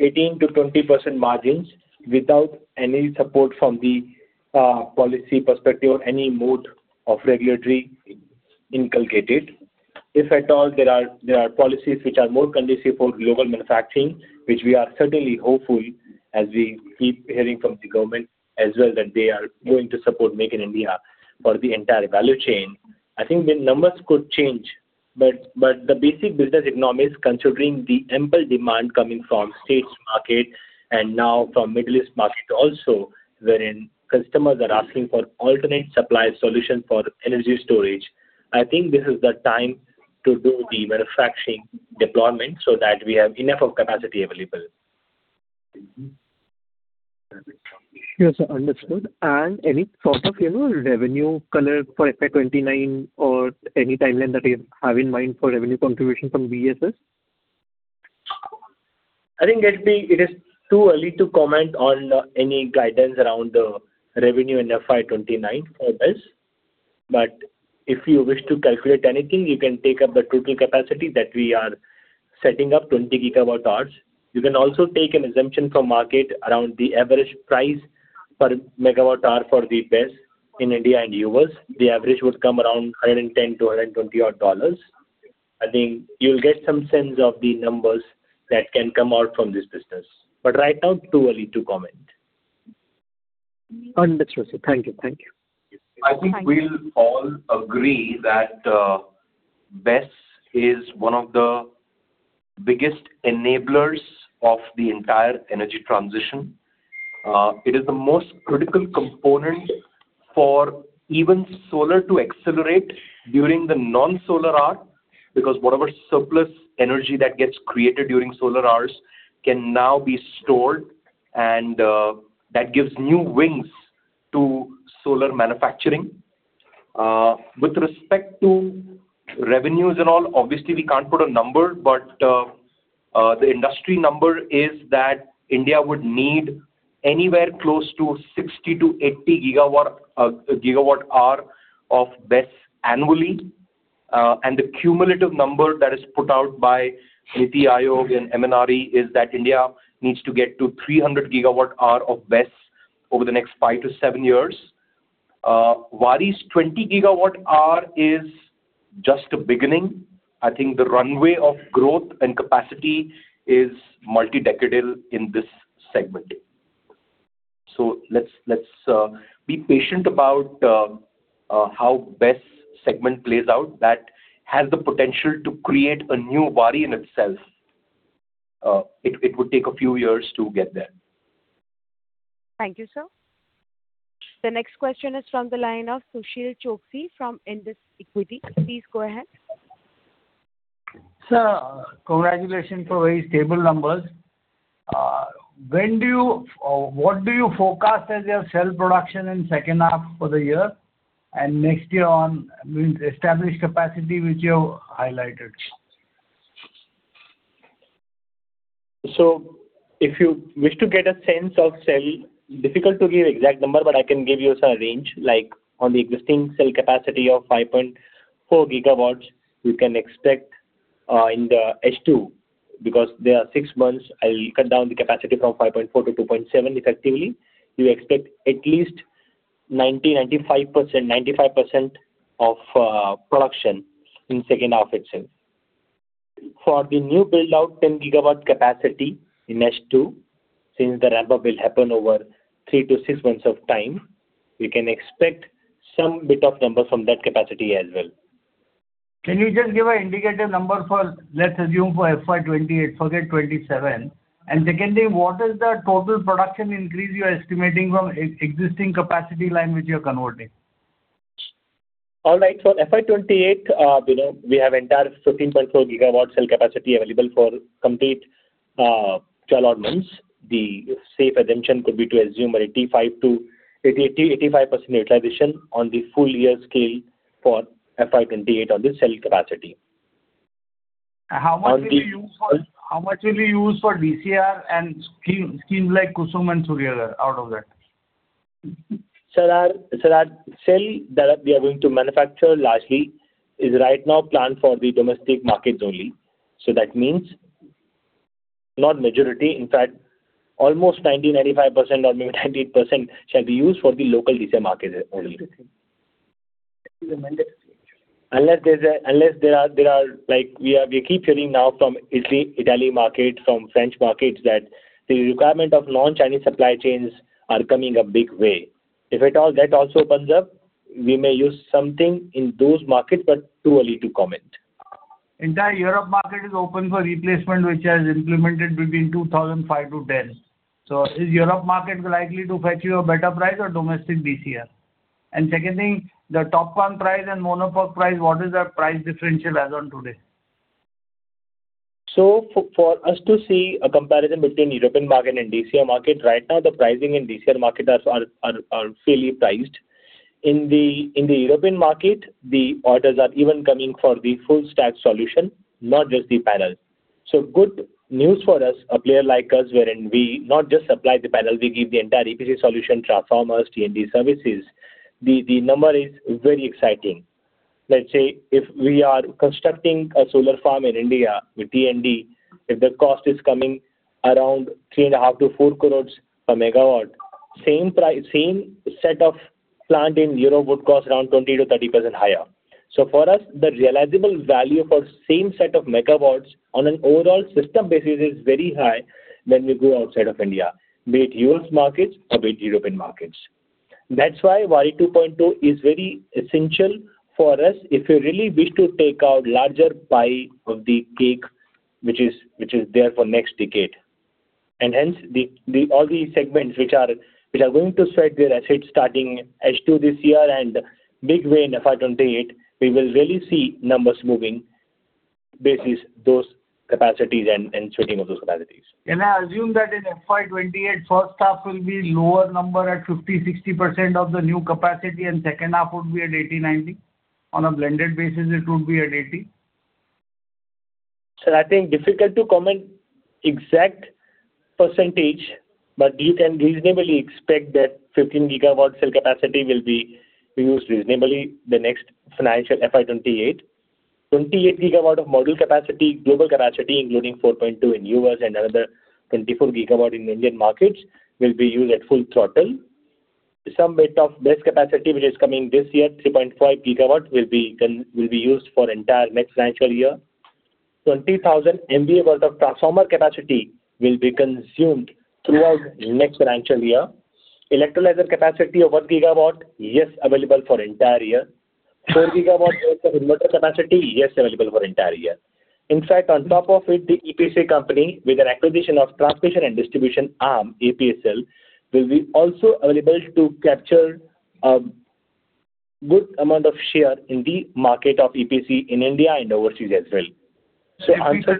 18%-20% margins without any support from the policy perspective or any mode of regulatory inculcated. If at all there are, there are policies which are more conducive for global manufacturing, which we are certainly hopeful as we keep hearing from the government as well, that they are going to support Make in India for the entire value chain. I think the numbers could change, but the basic business economics considering the ample demand coming from U.S. market and now from Middle East market also, wherein customers are asking for alternate supply solution for energy storage, I think this is the time to do the manufacturing deployment so that we have enough of capacity available. Mm-hmm. Yes, sir. Understood. Any sort of, you know, revenue color for FY 2029 or any timeline that you have in mind for revenue contribution from BESS? I think it is too early to comment on any guidance around the revenue in FY 2029 for BESS. If you wish to calculate anything, you can take up the total capacity that we are setting up, 20 GWh. You can also take an assumption from market around the average price per megawatt hour for the BESS in India and U.S. The average would come around $110-$120 odd. I think you'll get some sense of the numbers that can come out from this business. Right now, too early to comment. Understood, sir. Thank you. Thank you. I think we'll all agree that BESS is one of the biggest enablers of the entire energy transition. It is the most critical component for even solar to accelerate during the non-solar hour, because whatever surplus energy that gets created during solar hours can now be stored and that gives new wings to solar manufacturing. With respect to revenues and all, obviously we can't put a number, but the industry number is that India would need anywhere close to 60 GWh-80 GWh of BESS annually. The cumulative number that is put out by NITI Aayog and MNRE is that India needs to get to 300 GWh of BESS over the next five to seven years. Waaree's 20 GWh is just a beginning. I think the runway of growth and capacity is multi-decadal in this segment. Let's be patient about how BESS segment plays out. That has the potential to create a new Waaree in itself. It would take a few years to get there. Thank you, sir. The next question is from the line of Sushil Choksey from Indus Equity. Please go ahead. Sir, congratulations for very stable numbers. What do you forecast as your cell production in second half for the year and next year with established capacity which you have highlighted? If you wish to get a sense of cell, difficult to give exact number, but I can give you, sir, a range. Like on the existing cell capacity of 5.4 GW, you can expect in the H2, because there are six months, I'll cut down the capacity from 5.4 GW-2.7 GW effectively. You expect at least 95% of production in second half itself. For the new build-out, 10 GW capacity in H2, since the ramp-up will happen over three to six months of time, we can expect some bit of number from that capacity as well. Can you just give an indicative number for, let's assume for FY 2028, forget 2027. Secondly, what is the total production increase you are estimating from existing capacity line which you're converting? All right. For FY 2028, you know, we have entire 15.4 GW cell capacity available for complete, 12 months. The safe assumption could be to assume 85%-88%, 85% utilization on the full year scale for FY 2028 on the cell capacity. How much will you use for DCR and schemes like Kusum and Surya out of that? Sir, our cell that we are going to manufacture largely is right now planned for the domestic markets only. That means not majority, in fact almost 90%-95% or maybe 90% shall be used for the local DCR market only. Okay. Unless there are, like we keep hearing now from Italy market, from French markets that the requirement of non-Chinese supply chains are coming a big way. If at all that also opens up, we may use something in those markets, but too early to comment. Entire Europe market is open for replacement, which has implemented between 2005-2010. Is Europe market likely to fetch you a better price or domestic DCR? Second thing, the TOPCon price and mono PERC price, what is the price differential as on today? For us to see a comparison between European market and DCR market, right now the pricing in DCR market are fairly priced. In the European market, the orders are even coming for the full stack solution, not just the panels. Good news for us, a player like us wherein we not just supply the panel, we give the entire EPC solution, transformers, T&D services. The number is very exciting. Let's say if we are constructing a solar farm in India with T&D, if the cost is coming around 3.5-4 crores a MW, same set of plant in Europe would cost around 20%-30% higher. For us, the realizable value for same set of megawatts on an overall system basis is very high when we go outside of India, be it U.S. markets or be it European markets. That's why Waaree 2.0 is very essential for us if we really wish to take out larger pie of the cake which is there for next decade. Hence all these segments which are going to set their assets starting H2 this year and big way in FY 2028, we will really see numbers moving basis those capacities and setting of those capacities. Can I assume that in FY 2028, first half will be lower number at 50%-60% of the new capacity and second half would be at 80%-90%? On a blended basis it would be at 80%? Sir, I think difficult to comment exact percentage. You can reasonably expect that 15 GW cell capacity will be used reasonably the next financial FY 2028. 28 GW of module capacity, global capacity, including 4.2 GW in U.S. and another 24 GW in Indian markets will be used at full throttle. Some bit of this capacity which is coming this year, 3.5 GW will be used for entire next financial year. 20,000 MVA worth of transformer capacity will be consumed throughout next financial year. Electrolyzer capacity of 1 GW, yes, available for entire year. 4 GW worth of inverter capacity, yes, available for entire year. In fact, on top of it, the EPC company with an acquisition of Transmission and Distribution arm, APSL, will be also available to capture, good amount of share in the market of EPC in India and overseas as well. If we can- Answer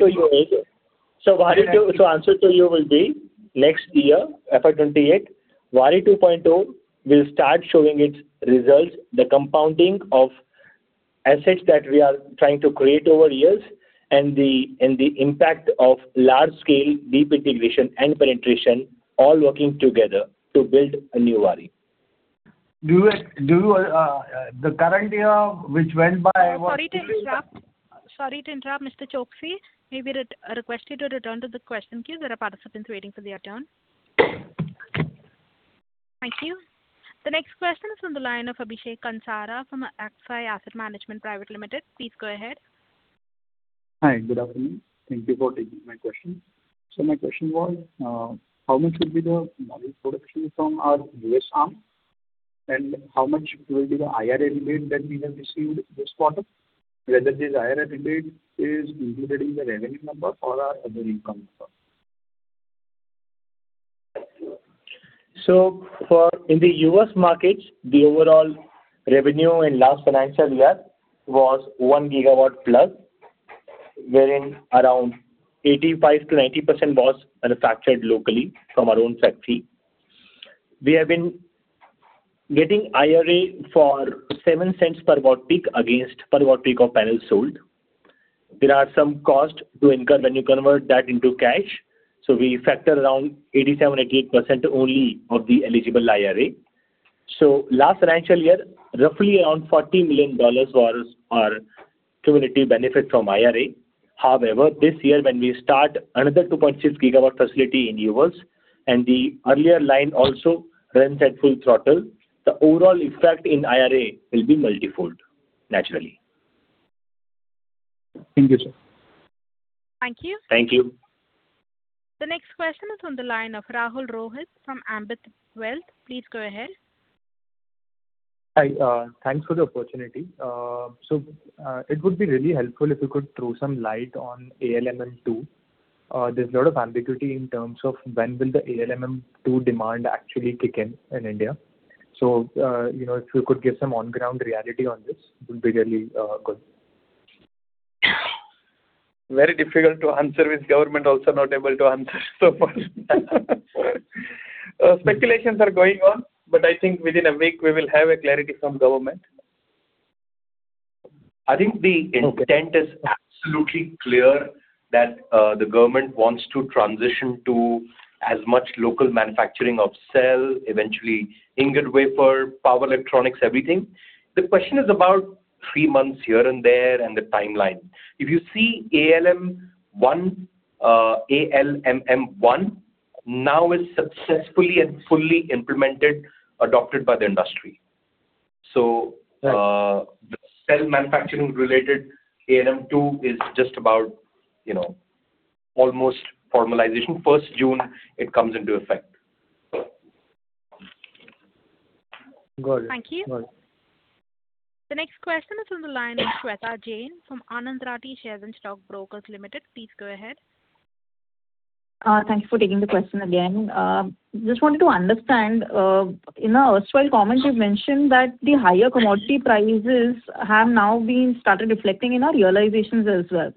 to you will be next year, FY 2028, Waaree 2.0 will start showing its results, the compounding of assets that we are trying to create over years and the impact of large scale deep integration and penetration all working together to build a new Waaree. The current year which went by was. Sorry to interrupt, Mr. Choksey. May we request you to return to the question queue. There are participants waiting for their turn. Thank you. The next question is on the line of Abhishek Kansara from Axia Asset Management Private Limited. Please go ahead. Hi. Good afternoon. Thank you for taking my question. My question was, how much will be the module production from our U.S. arm, and how much will be the IRA rebate that we have received this quarter? Whether this IRA rebate is included in the revenue number or our other income number. In the U.S. markets, the overall revenue in last financial year was 1 GW+, wherein around 85%-90% was manufactured locally from our own factory. We have been getting IRA for $0.07 per watt peak against per watt peak of panels sold. There are some costs to incur when you convert that into cash, so we factor around 87%-88% only of the eligible IRA. Last financial year, roughly around $40 million was our community benefit from IRA. However, this year when we start another 2.6 GW facility in the U.S. and the earlier line also runs at full throttle, the overall effect in IRA will be multifold, naturally. Thank you, sir. Thank you. Thank you. The next question is on the line of Rahul Rohit from Ambit Wealth. Please go ahead. Hi. Thanks for the opportunity. It would be really helpful if you could throw some light on ALMM 2. There's a lot of ambiguity in terms of when will the ALMM 2 demand actually kick in in India. You know, if you could give some on-ground reality on this, it would be really good. Very difficult to answer with government also not able to answer so far. Speculations are going on, I think within a week we will have a clarity from government. I think the intent is absolutely clear that the government wants to transition to as much local manufacturing of cell, eventually ingot, wafer, power electronics, everything. The question is about three months here and there and the timeline. If you see ALMM 1, now is successfully and fully implemented, adopted by the industry. Right. The cell manufacturing related ALMM 2 is just about, you know, almost formalization. 1st of June, it comes into effect. Got it. Thank you. Got it. The next question is on the line of Sweta Jain from Anand Rathi Shares and Stock Brokers Limited. Please go ahead. Thank you for taking the question again. Just wanted to understand, in our erstwhile comment you mentioned that the higher commodity prices have now been started reflecting in our realizations as well.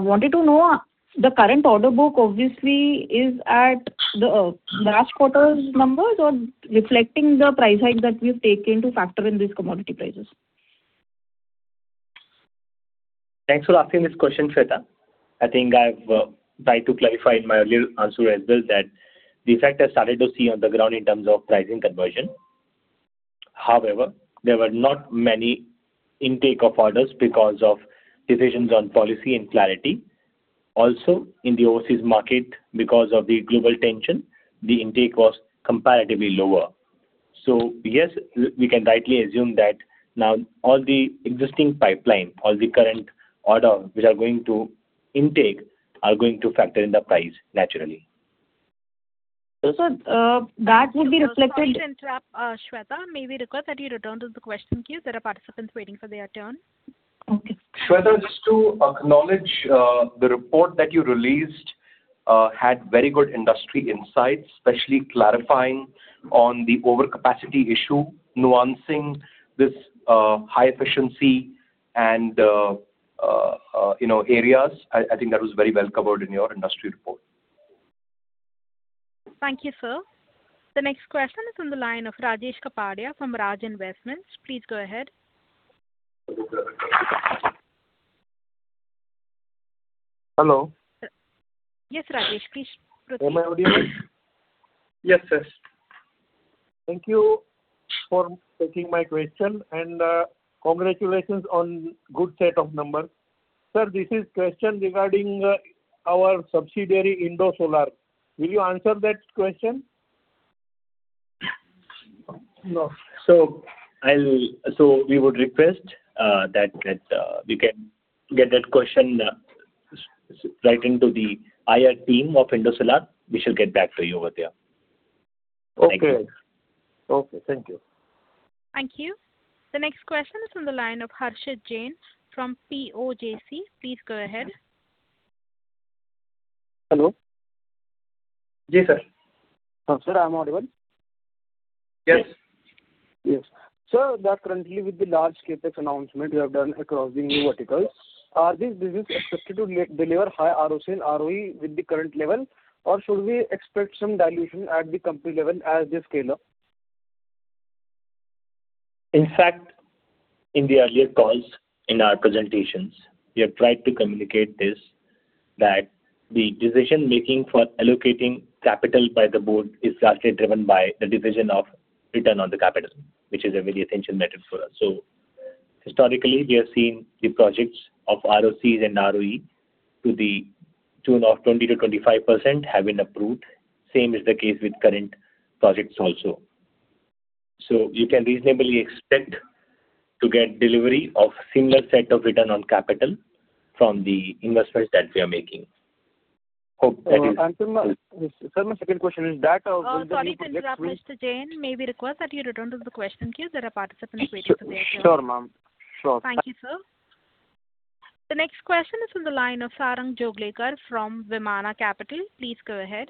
Wanted to know the current order book obviously is at the last quarter's numbers or reflecting the price hike that we've taken to factor in these commodity prices? Thanks for asking this question, Sweta. I think I've tried to clarify in my earlier answer as well that the effect I started to see on the ground in terms of pricing conversion. There were not many intake of orders because of decisions on policy and clarity. In the overseas market, because of the global tension, the intake was comparatively lower. Yes, we can rightly assume that now all the existing pipeline, all the current order which are going to intake are going to factor in the price naturally. That would be reflected. Sorry to interrupt, Sweta. May we request that you return to the question queue? There are participants waiting for their turn. Okay. Sweta, just to acknowledge, the report that you released, had very good industry insights, especially clarifying on the overcapacity issue, nuancing this, high efficiency and, you know, areas. I think that was very well covered in your industry report. Thank you, sir. The next question is on the line of Rajesh Kapadia from Raj Investments. Please go ahead. Hello. Yes, Rajesh, please proceed. Am I audible? Yes, yes. Thank you for taking my question, and congratulations on good set of numbers. Sir, this is question regarding our subsidiary, Indosolar. Will you answer that question? No. We would request that we can get that question written to the IR team of Indosolar. We shall get back to you over there. Okay. Thank you. Okay. Thank you. Thank you. The next question is on the line of Harshit Jain from POJC. Please go ahead. Hello. Yes, sir. Sir, am I audible? Yes. Yes. Sir, that currently with the large CapEx announcement you have done across the new verticals, are these business expected to deliver high ROC and ROE with the current level, or should we expect some dilution at the company level as they scale up? In fact, in the earlier calls in our presentations, we have tried to communicate this, that the decision-making for allocating capital by the board is largely driven by the division of return on the capital, which is a very attention metric for us. Historically, we have seen the projects of ROCE and ROE to the tune of 20%-25% have been approved. Same is the case with current projects also. You can reasonably expect to get delivery of similar set of return on capital from the investments that we are making. Hope that is. Sir, my second question is that, within the next three-. Sorry to interrupt, Mr. Jain. May we request that you return to the question queue? There are participants waiting for their turn. Sure, ma'am. Sure. Thank you, sir. The next question is on the line of Sarang Joglekar from Vimana Capital. Please go ahead.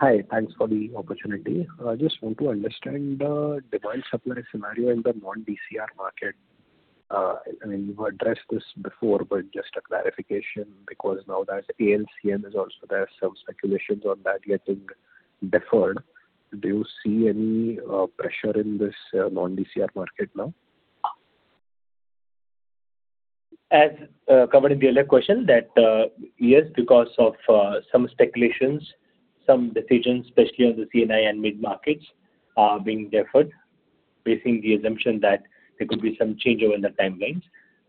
Hi. Thanks for the opportunity. I just want to understand the demand supply scenario in the non-DCR market. I mean, you addressed this before, but just a clarification because now that ALMM is also there, some speculations on that getting deferred. Do you see any pressure in this non-DCR market now? As covered in the earlier question that, yes, because of some speculations, some decisions, especially on the C&I and mid-markets, are being deferred, basing the assumption that there could be some change over in the timelines.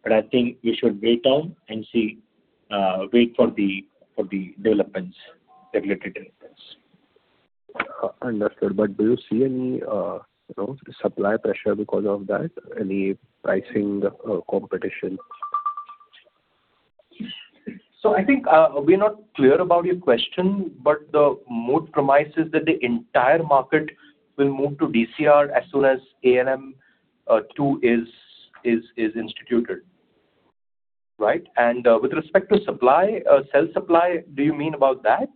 I think we should wait on and see, wait for the developments, regulatory developments. Understood. Do you see any, you know, supply pressure because of that? Any pricing, competition? I think, we're not clear about your question, but the mode premise is that the entire market will move to DCR as soon as ALMM 2 is instituted. Right. With respect to supply, cell supply, do you mean about that?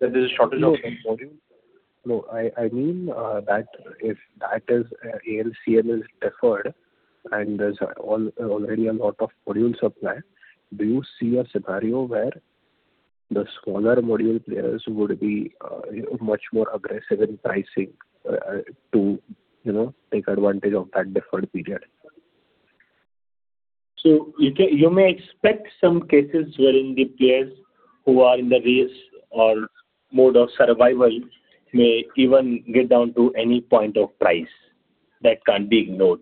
That there's a shortage of some modules? No, I mean, that if that is ALMM is deferred and there's already a lot of module supply, do you see a scenario where the smaller module players would be, you know, much more aggressive in pricing, to, you know, take advantage of that deferred period? You may expect some cases wherein the players who are in the race or mode of survival may even get down to any point of price. That can't be ignored.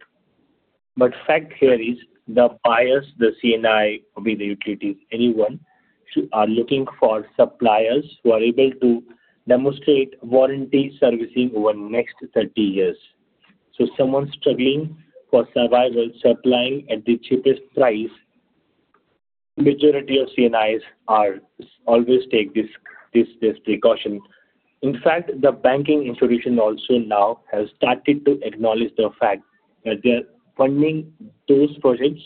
Fact here is the buyers, the C&I, be the utilities, anyone, are looking for suppliers who are able to demonstrate warranty servicing over next 30 years. Someone struggling for survival, supplying at the cheapest price, majority of C&Is are always take this precaution. In fact, the banking institution also now has started to acknowledge the fact that they're funding those projects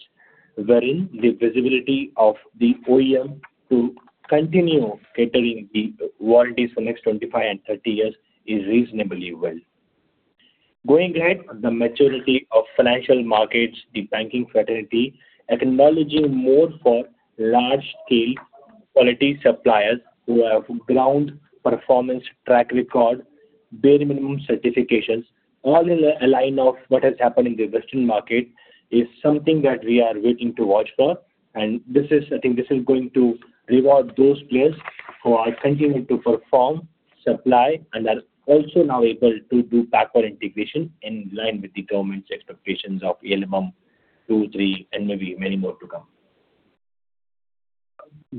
wherein the visibility of the OEM to continue catering the warranties for next 25 and 30 years is reasonably well. Going ahead, the maturity of financial markets, the banking fraternity acknowledging more for large scale quality suppliers who have ground performance track record, bare minimum certifications, all in a line of what has happened in the Western market is something that we are waiting to watch for. I think this is going to reward those players who are continuing to perform, supply, and are also now able to do backward integration in line with the government's expectations of ALMM 2, 3, and maybe many more to come.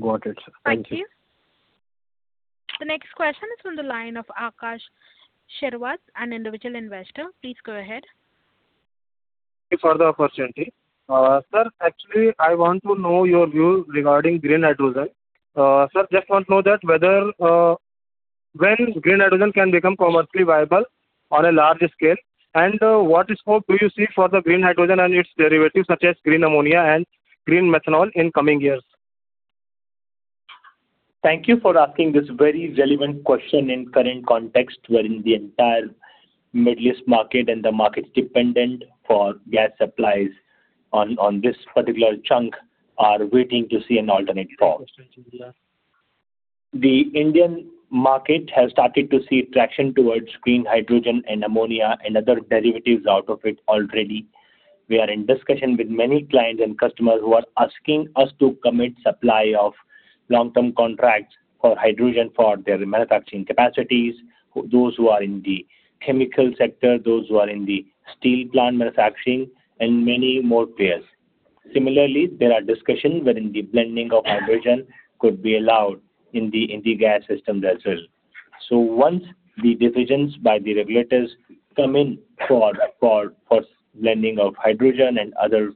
Got it, sir. Thank you. Thank you. The next question is on the line of Akash Saraswat, an Individual Investor. Please go ahead. Thank you for the opportunity. Sir, actually, I want to know your view regarding green hydrogen. Sir, just want to know that whether when green hydrogen can become commercially viable on a large scale, and what scope do you see for the green hydrogen and its derivatives, such as green ammonia and green methanol in coming years? Thank you for asking this very relevant question in current context, wherein the entire Middle East market and the markets dependent for gas supplies on this particular chunk are waiting to see an alternate form. Yes, sir. Thank you. The Indian market has started to see traction towards green hydrogen and ammonia and other derivatives out of it already. We are in discussion with many clients and customers who are asking us to commit supply of long-term contracts for hydrogen for their manufacturing capacities, those who are in the chemical sector, those who are in the steel plant manufacturing, and many more players. Similarly, there are discussions wherein the blending of hydrogen could be allowed in the gas system as well. Once the decisions by the regulators come in for blending of hydrogen and other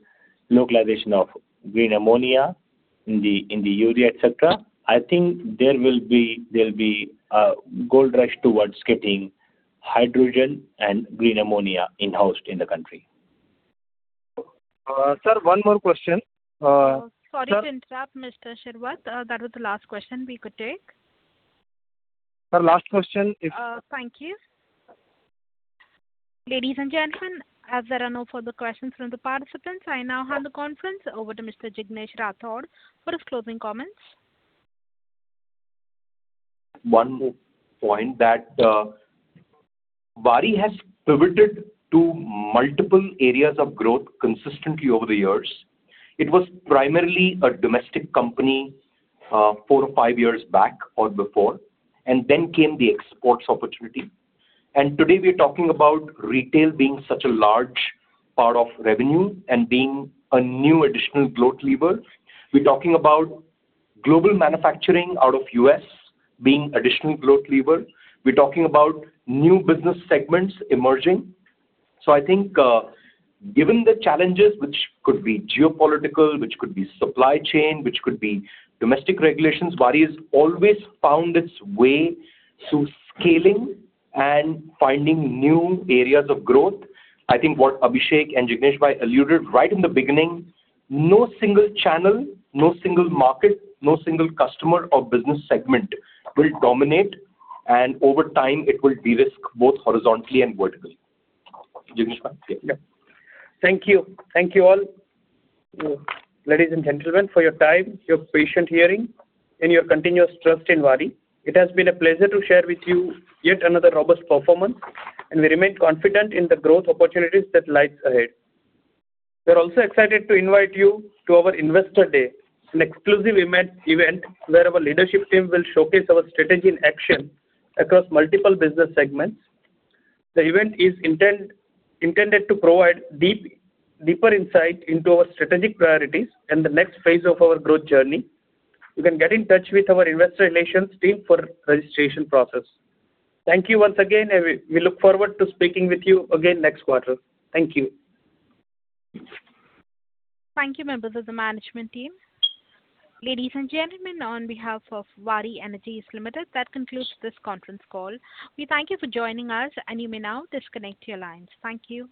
localization of green ammonia in the urea, et cetera, I think there will be a gold rush towards getting hydrogen and green ammonia in-housed in the country. Sir, one more question. Sorry to interrupt, Mr. Saraswat. That was the last question we could take. Sir, last question. Thank you. Ladies, and gentlemen, as there are no further questions from the participants, I now hand the conference over to Mr. Jignesh Rathod for his closing comments. One more point that Waaree has pivoted to multiple areas of growth consistently over the years. It was primarily a domestic company, four to five years back or before. Then came the exports opportunity. Today we are talking about retail being such a large part of revenue and being a new additional growth lever. We're talking about global manufacturing out of U.S. being additional growth lever. We're talking about new business segments emerging. I think, given the challenges, which could be geopolitical, which could be supply chain, which could be domestic regulations, Waaree has always found its way through scaling and finding new areas of growth. I think what Abhishek and Jignesh bhai alluded right in the beginning, no single channel, no single market, no single customer or business segment will dominate, and over time it will de-risk both horizontally and vertically. Jignesh bhai, yeah. Thank you. Thank you all, ladies, and gentlemen, for your time, your patient hearing, and your continuous trust in Waaree. It has been a pleasure to share with you yet another robust performance, and we remain confident in the growth opportunities that lies ahead. We're also excited to invite you to our Investor Day, an exclusive event where our leadership team will showcase our strategy in action across multiple business segments. The event is intended to provide deeper insight into our strategic priorities and the next phase of our growth journey. You can get in touch with our investor relations team for registration process. Thank you once again. We look forward to speaking with you again next quarter. Thank you. Thank you, members of the management team. Ladies, and gentlemen, on behalf of Waaree Energies Limited, that concludes this conference call. We thank you for joining us, and you may now disconnect your lines. Thank you.